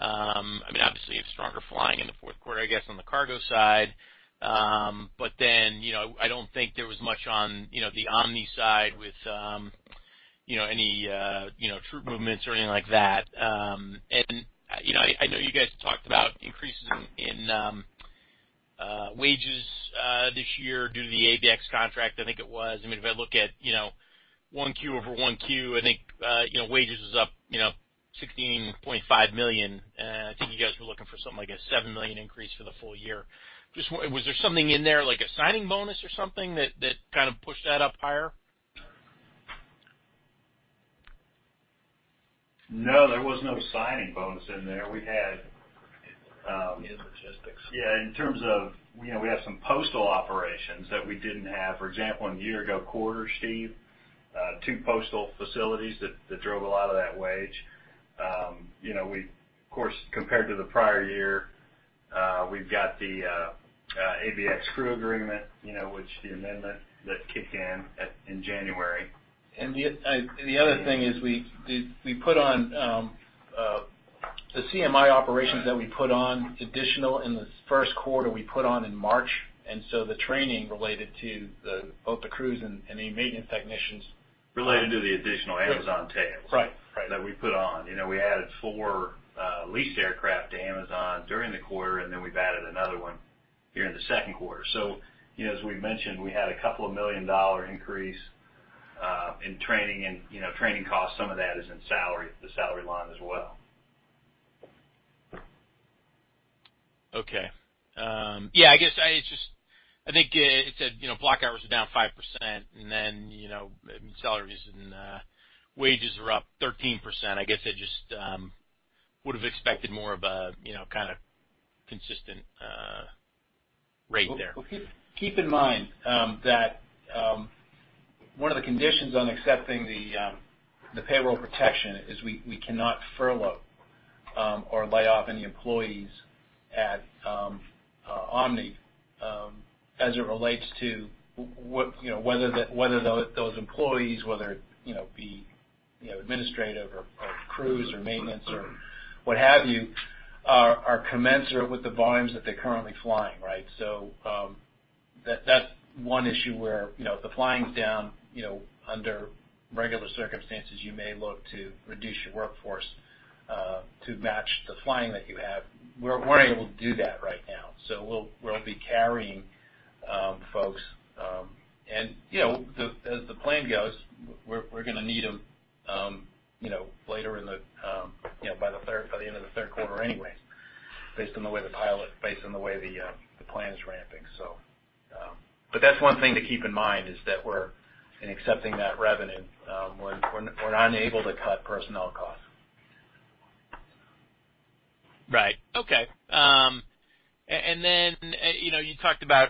Speaker 10: Obviously, you have stronger flying in the Q4, I guess, on the cargo side. I don't think there was much on the Omni side with any troop movements or anything like that. I know you guys talked about increases in wages this year due to the ABX contract, I think it was. If I look at Q1 over Q1, I think, wages was up $16.5 million. I think you guys were looking for something like a $7 million increase for the full year. Was there something in there like a signing bonus or something that kind of pushed that up higher?
Speaker 4: No, there was no signing bonus in there.
Speaker 3: In logistics.
Speaker 4: Yeah, in terms of, we have some postal operations that we didn't have. For example, in the year-ago quarter, Steve, two postal facilities that drove a lot of that wage. Of course, compared to the prior year, we've got the ABX crew agreement, which the amendment that kicked in January.
Speaker 3: The other thing is the CMI operations that we put on additional in the Q1, we put on in March, and so the training related to both the crews and the maintenance technicians.
Speaker 4: Related to the additional Amazon tails.
Speaker 3: Right
Speaker 4: that we put on. We added four leased aircraft to Amazon during the quarter, and then we've added another one during the second quarter. As we mentioned, we had a couple of million-dollar increase in training and training costs. Some of that is in the salary line as well.
Speaker 10: Okay. Yeah, I think it said block hours are down 5%, and then salaries and wages are up 13%. I guess I just would have expected more of a kind of consistent rate there.
Speaker 3: Keep in mind that one of the conditions on accepting the Payroll Support Program is we cannot furlough or lay off any employees at Omni as it relates to whether those employees, whether it be administrative or crews or maintenance or what have you, are commensurate with the volumes that they're currently flying. That's one issue where, if the flying is down, under regular circumstances, you may look to reduce your workforce to match the flying that you have. We're unable to do that right now. We'll be carrying folks. As the plan goes, we're going to need them by the end of the Q3 anyway, based on the way the plan is ramping. That's one thing to keep in mind, is that we're accepting that revenue. We're unable to cut personnel costs.
Speaker 10: Right. Okay. You talked about,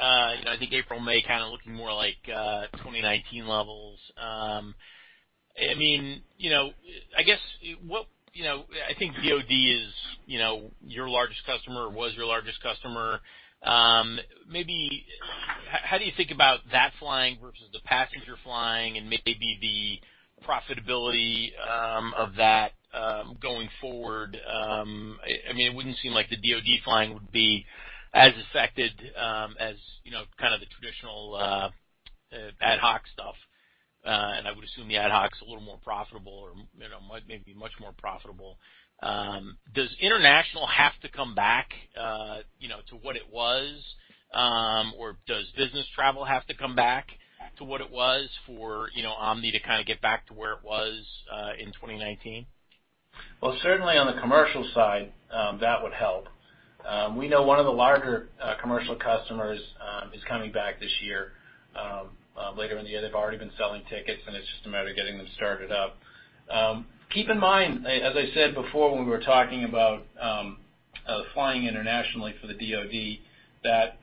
Speaker 10: I think April, May kind of looking more like 2019 levels. I think DoD is your largest customer or was your largest customer. Maybe how do you think about that flying versus the passenger flying and maybe the profitability of that going forward? It wouldn't seem like the DoD flying would be as affected as kind of the traditional ad hoc stuff. I would assume the ad hoc's a little more profitable or might maybe much more profitable. Does international have to come back to what it was? Or does business travel have to come back to what it was for Omni to kind of get back to where it was in 2019?
Speaker 3: Well, certainly on the commercial side, that would help. We know one of the larger commercial customers is coming back this year, later in the year. They've already been selling tickets, and it's just a matter of getting them started up. Keep in mind, as I said before, when we were talking about the flying internationally for the DOD that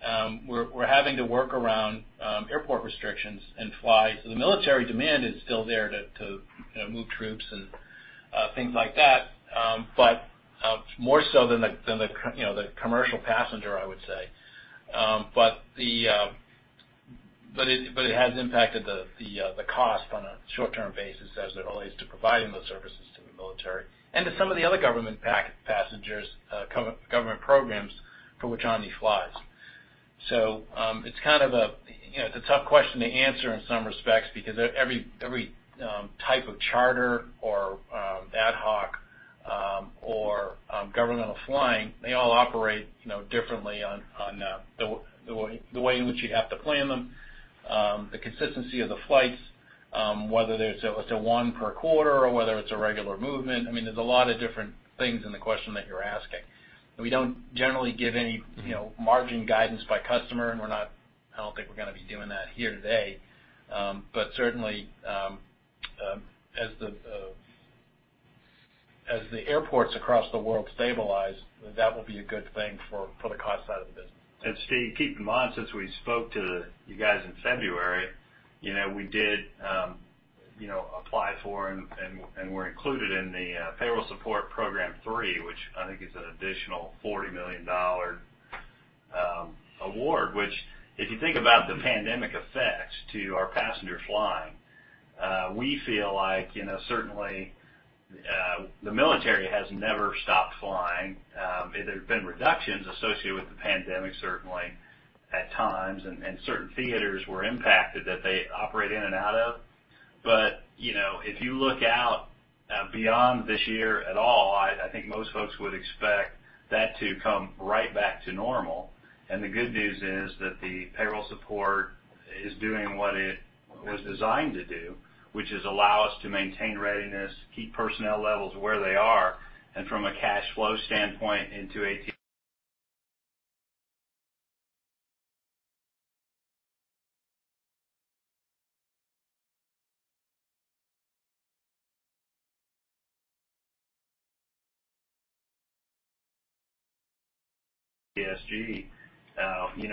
Speaker 3: we're having to work around airport restrictions and fly. The military demand is still there to move troops and things like that, but more so than the commercial passenger, I would say. It has impacted the cost on a short-term basis as it relates to providing those services to the military and to some of the other government passengers, government programs for which Omni flies. It's a tough question to answer in some respects because every type of charter or ad hoc or governmental flying, they all operate differently on the way in which you have to plan them, the consistency of the flights, whether it's a one per quarter or whether it's a regular movement. There's a lot of different things in the question that you're asking. We don't generally give any margin guidance by customer, and I don't think we're going to be doing that here today. Certainly, as the airports across the world stabilize, that will be a good thing for the cost side of the business.
Speaker 4: Steve, keep in mind, since we spoke to you guys in February, we did apply for and were included in the Payroll Support Program 3, which I think is an additional $40 million award. Which, if you think about the pandemic effects to our passenger flying, we feel like, certainly, the military has never stopped flying. There have been reductions associated with the pandemic, certainly, at times, and certain theaters were impacted that they operate in and out of. If you look out beyond this year at all, I think most folks would expect that to come right back to normal. The good news is that the payroll support is doing what it was designed to do, which is allow us to maintain readiness, keep personnel levels where they are, and from a cash flow standpoint into ATSG.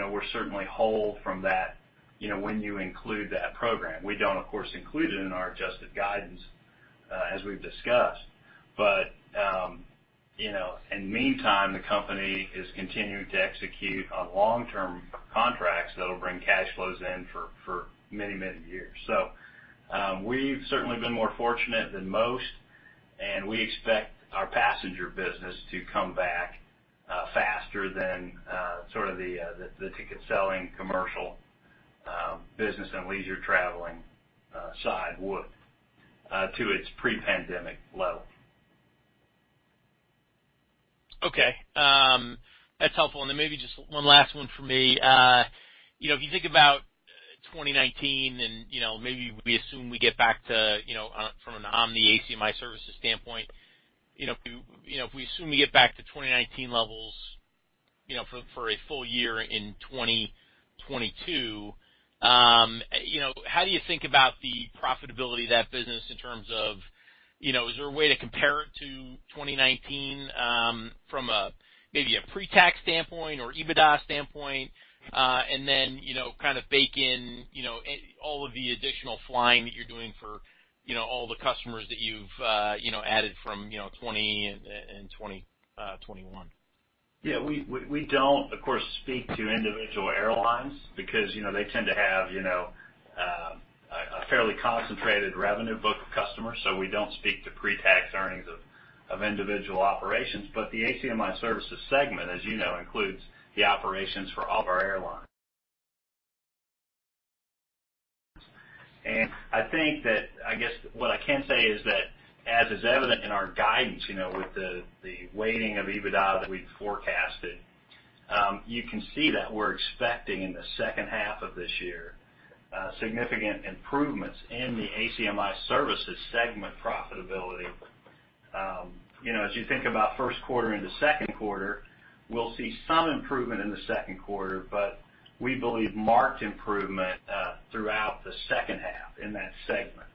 Speaker 4: We're certainly whole from that when you include that program. We don't, of course, include it in our adjusted guidance, as we've discussed. In the meantime, the company is continuing to execute on long-term contracts that'll bring cash flows in for many, many years. We've certainly been more fortunate than most, and we expect our passenger business to come back faster than sort of the ticket-selling commercial business and leisure traveling side would to its pre-pandemic level.
Speaker 10: Okay. That's helpful. Maybe just one last one from me. If you think about 2019 and maybe we assume we get back to, from an Omni ACMI Services standpoint, if we assume we get back to 2019 levels for a full year in 2022, how do you think about the profitability of that business in terms of, is there a way to compare it to 2019 from maybe a pre-tax standpoint or EBITDA standpoint? Kind of bake in all of the additional flying that you're doing for all the customers that you've added from 2020 and 2021.
Speaker 4: Yeah, we don't, of course, speak to individual airlines because they tend to have a fairly concentrated revenue book of customers. We don't speak to pre-tax earnings of individual operations. The ACMI Services segment, as you know, includes the operations for all of our airlines. I think that, I guess what I can say is that as is evident in our guidance with the weighting of EBITDA that we've forecasted, you can see that we're expecting in the H2 of this year significant improvements in the ACMI Services segment profitability. As you think about Q1 into Q2, we'll see some improvement in the Q2, but we believe marked improvement throughout the H2 in that segment.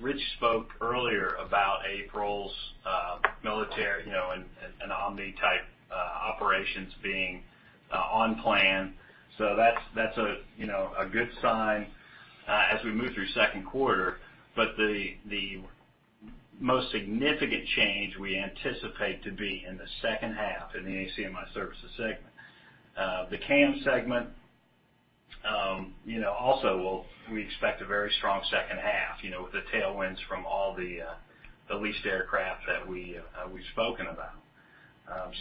Speaker 4: Rich spoke earlier about April's military and Omni-type operations being on plan. That's a good sign as we move through Q2. The most significant change we anticipate to be in the second half in the ACMI Services segment. The CAM segment also we expect a very strong H2, with the tailwinds from all the leased aircraft that we've spoken about.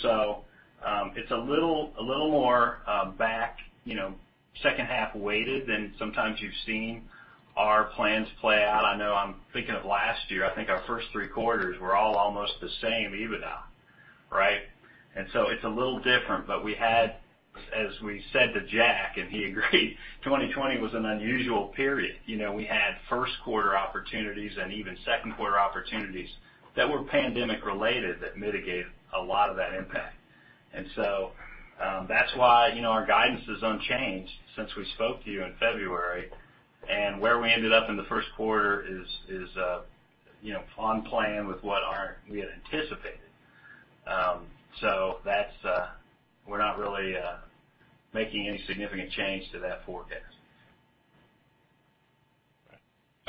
Speaker 4: It's a little more back, second half-weighted than sometimes you've seen our plans play out. I know I'm thinking of last year. I think our first three quarters were all almost the same EBITDA, right? It's a little different. We had, as we said to Jack, and he agreed, 2020 was an unusual period. We had Q1 opportunities and even second quarter opportunities that were pandemic-related that mitigated a lot of that impact. That's why our guidance is unchanged since we spoke to you in February, and where we ended up in the Q1 is on plan with what we had anticipated. We're not really making any significant change to that forecast.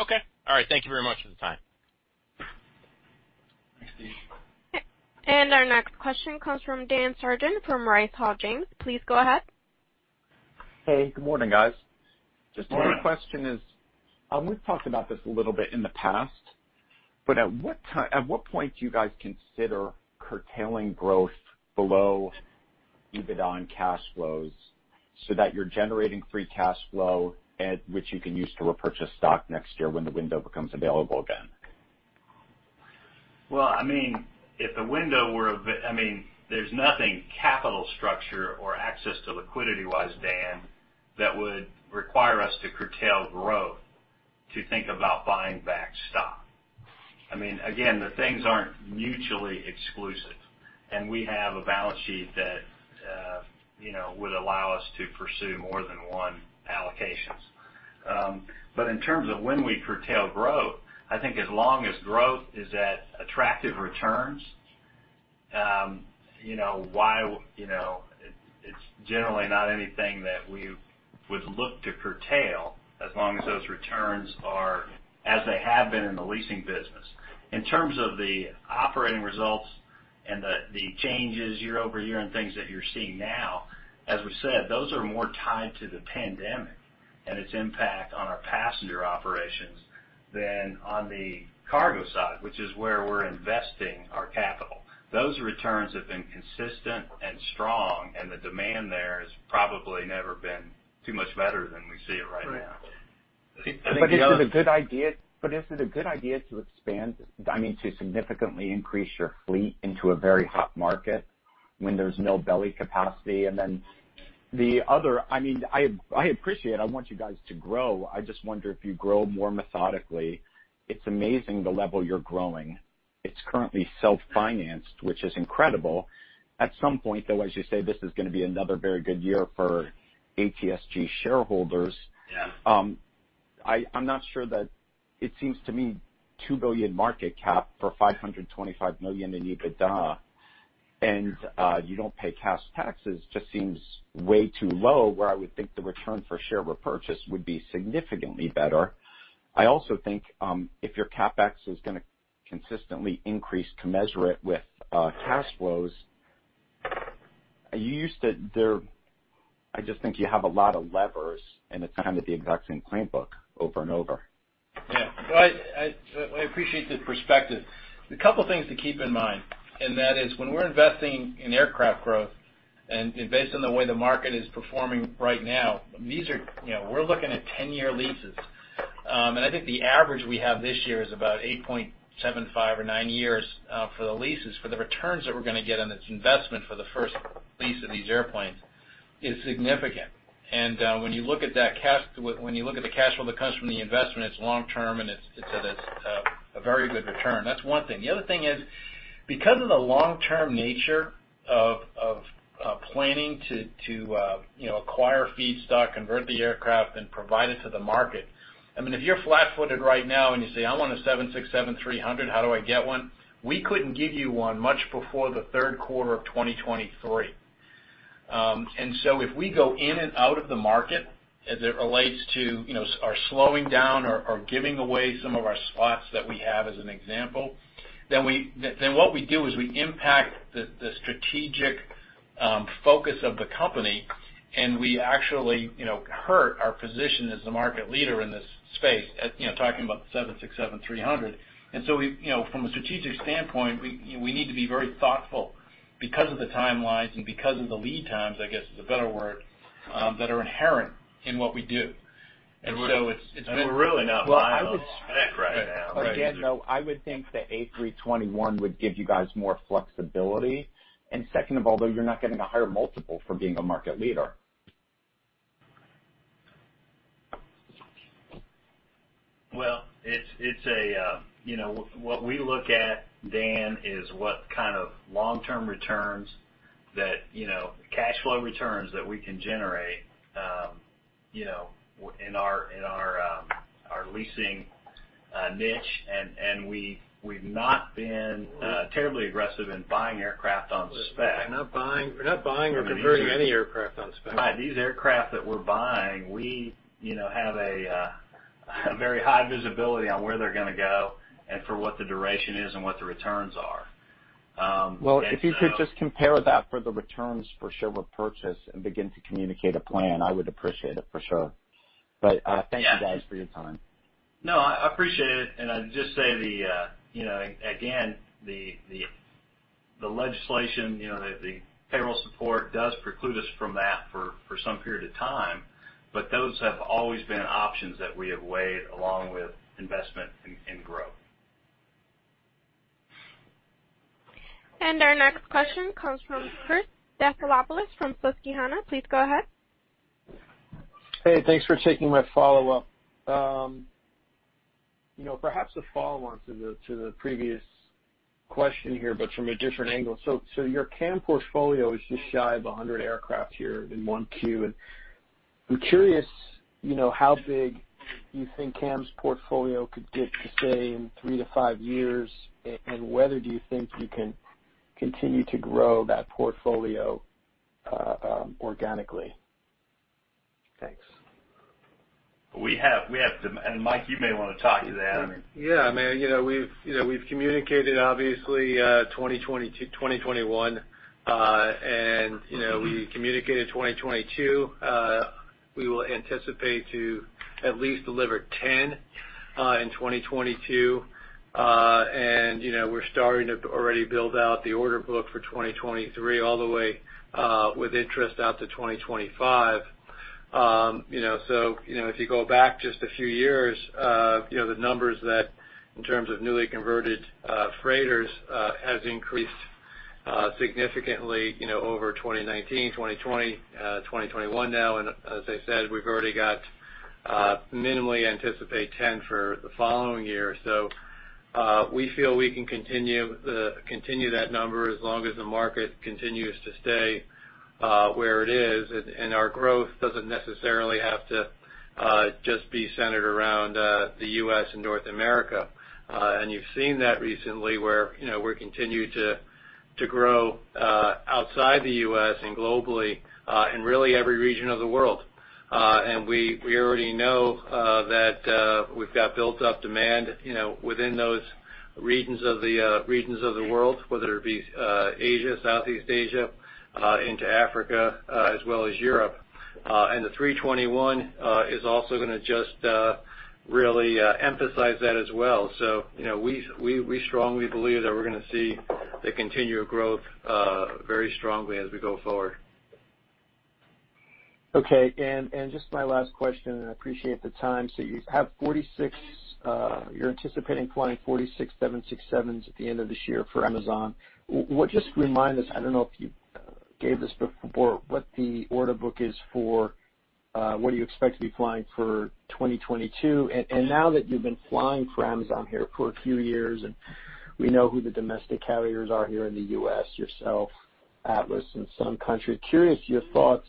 Speaker 10: Okay. All right. Thank you very much for the time.
Speaker 4: Thanks, Stephen.
Speaker 1: Our next question comes from Daniel S. Sargen, from Rice Hall James. Please go ahead.
Speaker 11: Hey, good morning, guys.
Speaker 4: Morning.
Speaker 11: Just one question is, we've talked about this a little bit in the past, at what point do you guys consider curtailing growth below EBITDA and cash flows so that you're generating free cash flow, which you can use to repurchase stock next year when the window becomes available again?
Speaker 4: Well, there's nothing capital structure or access to liquidity-wise, Dan, that would require us to curtail growth to think about buying back stock. The things aren't mutually exclusive, and we have a balance sheet that would allow us to pursue more than one allocation. In terms of when we curtail growth, I think as long as growth is at attractive returns, it's generally not anything that we would look to curtail as long as those returns are as they have been in the leasing business. In terms of the operating results and the changes year-over-year and things that you're seeing now, as we said, those are more tied to the pandemic and its impact on our passenger operations than on the cargo side, which is where we're investing our capital. Those returns have been consistent and strong, the demand there has probably never been too much better than we see it right now.
Speaker 11: Correct. Is it a good idea to significantly increase your fleet into a very hot market when there's no belly capacity? The other, I appreciate, I want you guys to grow. I just wonder if you'd grow more methodically. It's amazing the level you're growing. It's currently self-financed, which is incredible. At some point, though, as you say, this is going to be another very good year for ATSG shareholders.
Speaker 4: Yes.
Speaker 11: I'm not sure that it seems to me $2 billion market cap for $525 million in EBITDA, and you don't pay cash taxes just seems way too low, where I would think the return for share repurchase would be significantly better. I also think, if your CapEx is going to consistently increase commensurate with cash flows, I just think you have a lot of levers, and it's kind of the exact same playbook over and over.
Speaker 4: Yeah. Well, I appreciate the perspective. A couple things to keep in mind, and that is when we're investing in aircraft growth, and based on the way the market is performing right now, we're looking at 10-year leases. I think the average we have this year is about 8.75 or 9 years for the leases. For the returns that we're going to get on this investment for the first lease of these airplanes is significant. When you look at the cash flow that comes from the investment, it's long-term, and it's a very good return. That's one thing. The other thing is, because of the long-term nature of planning to acquire feedstock, convert the aircraft, and provide it to the market, if you're flat-footed right now and you say, "I want a 767-300, how do I get one?" We couldn't give you one much before the Q3 of 2023. If we go in and out of the market as it relates to our slowing down or giving away some of our spots that we have, as an example, then what we do is we impact the strategic focus of the company, and we actually hurt our position as the market leader in this space, talking about the 767-300. From a strategic standpoint, we need to be very thoughtful because of the timelines and because of the lead times, I guess, is a better word, that are inherent in what we do. And so it's been-
Speaker 3: We're really not buying on spec right now.
Speaker 11: Again, though, I would think the A321 would give you guys more flexibility. Second of all, though, you're not getting a higher multiple for being a market leader.
Speaker 4: What we look at, Dan, is what kind of long-term cash flow returns that we can generate, in our leasing niche. We've not been terribly aggressive in buying aircraft on spec.
Speaker 3: We're not buying or converting any aircraft on spec.
Speaker 4: These aircraft that we're buying, we have a very high visibility on where they're going to go and for what the duration is and what the returns are.
Speaker 11: Well, if you could just compare that for the returns for share repurchase and begin to communicate a plan, I would appreciate it for sure. Thank you guys for your time.
Speaker 4: No, I appreciate it. I'd just say, again, the legislation, the payroll support does preclude us from that for some period of time. Those have always been options that we have weighed along with investment in growth.
Speaker 1: Our next question comes from Christopher Stathopoulos from Susquehanna. Please go ahead.
Speaker 8: Hey, thanks for taking my follow-up. Perhaps a follow-on to the previous question here, from a different angle. Your CAM portfolio is just shy of 100 aircraft here in Q1, and I'm curious how big you think CAM's portfolio could get to say, in three to 5 years, and whether do you think you can continue to grow that portfolio organically? Thanks.
Speaker 4: We have Mike, you may want to talk to that, I mean.
Speaker 6: Yeah. We've communicated obviously 2021, and we communicated 2022. We will anticipate to at least deliver 10 in 2022. We're starting to already build out the order book for 2023 all the way with interest out to 2025. If you go back just a few years, the numbers that, in terms of newly converted freighters, has increased significantly over 2019, 2020, 2021 now, and as I said, we've already got minimally anticipate 10 for the following year. We feel we can continue that number as long as the market continues to stay where it is. Our growth doesn't necessarily have to just be centered around the U.S. and North America. You've seen that recently where we continue to grow outside the U.S. and globally, in really every region of the world. We already know that we've got built-up demand within those regions of the world, whether it be Asia, Southeast Asia, into Africa, as well as Europe. The A321 is also going to just really emphasize that as well. We strongly believe that we're going to see the continued growth very strongly as we go forward.
Speaker 8: Okay. Just my last question, and I appreciate the time. You're anticipating flying 46 767s at the end of this year for Amazon. Just remind us, I don't know if you gave this before, what the order book is for, what do you expect to be flying for 2022? Now that you've been flying for Amazon here for a few years, and we know who the domestic carriers are here in the U.S., yourself, Atlas, and Sun Country, curious your thoughts,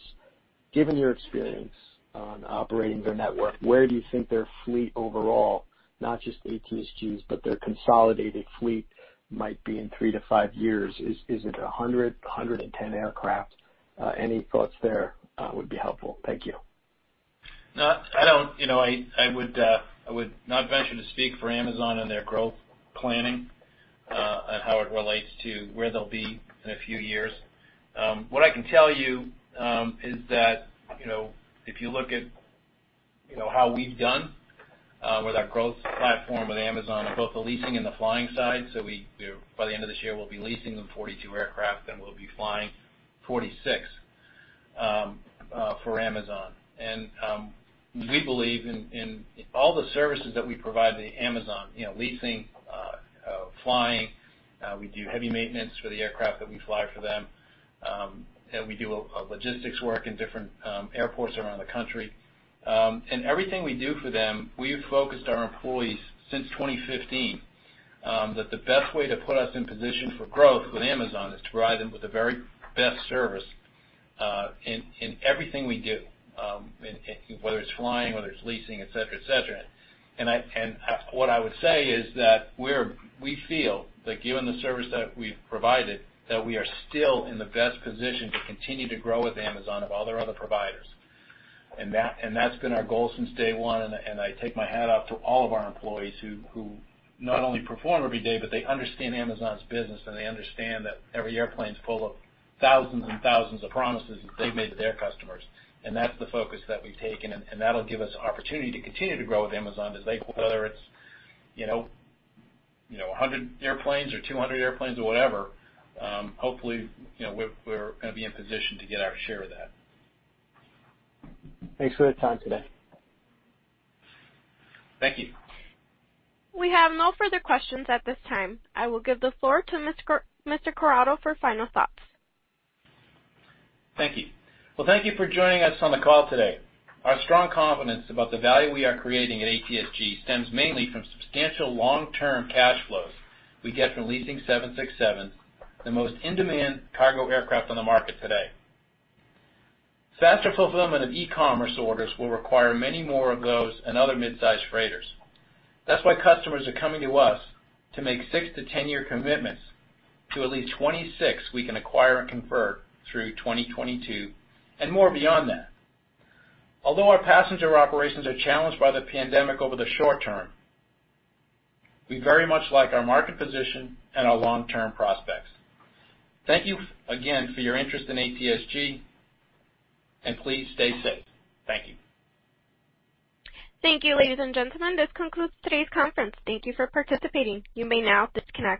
Speaker 8: given your experience on operating their network, where do you think their fleet overall, not just ATSG's, but their consolidated fleet might be in 3-5 years? Is it 100, 110 aircraft? Any thoughts there would be helpful. Thank you.
Speaker 3: No. I would not venture to speak for Amazon and their growth planning, on how it relates to where they'll be in a few years. What I can tell you is that, if you look at how we've done with our growth platform with Amazon on both the leasing and the flying side, so we, by the end of this year, will be leasing them 42 aircraft, and we'll be flying 46 for Amazon. We believe in all the services that we provide to Amazon, leasing, flying, we do heavy maintenance for the aircraft that we fly for them, and we do logistics work in different airports around the country. In everything we do for them, we've focused our employees since 2015, that the best way to put us in position for growth with Amazon is to provide them with the very best service, in everything we do, whether it's flying, whether it's leasing, et cetera. What I would say is that we feel that given the service that we've provided, that we are still in the best position to continue to grow with Amazon of all their other providers. That's been our goal since day one, and I take my hat off to all of our employees who not only perform every day, but they understand Amazon's business, and they understand that every airplane's full of thousands and thousands of promises that they've made to their customers. That's the focus that we've taken, and that'll give us opportunity to continue to grow with Amazon as they whether it's 100 airplanes or 200 airplanes or whatever, hopefully, we're going to be in position to get our share of that.
Speaker 8: Thanks for the time today.
Speaker 3: Thank you.
Speaker 1: We have no further questions at this time. I will give the floor to Mr. Corrado for final thoughts.
Speaker 3: Thank you. Well, thank you for joining us on the call today. Our strong confidence about the value we are creating at ATSG stems mainly from substantial long-term cash flows we get from leasing 767, the most in-demand cargo aircraft on the market today. Faster fulfillment of e-commerce orders will require many more of those and other mid-size freighters. That's why customers are coming to us to make 6 to 10-year commitments to at least 26 we can acquire and convert through 2022, and more beyond that. Although our passenger operations are challenged by the pandemic over the short term, we very much like our market position and our long-term prospects. Thank you again for your interest in ATSG, and please stay safe. Thank you.
Speaker 1: Thank you, ladies and gentlemen. This concludes today's conference. Thank you for participating. You may now disconnect.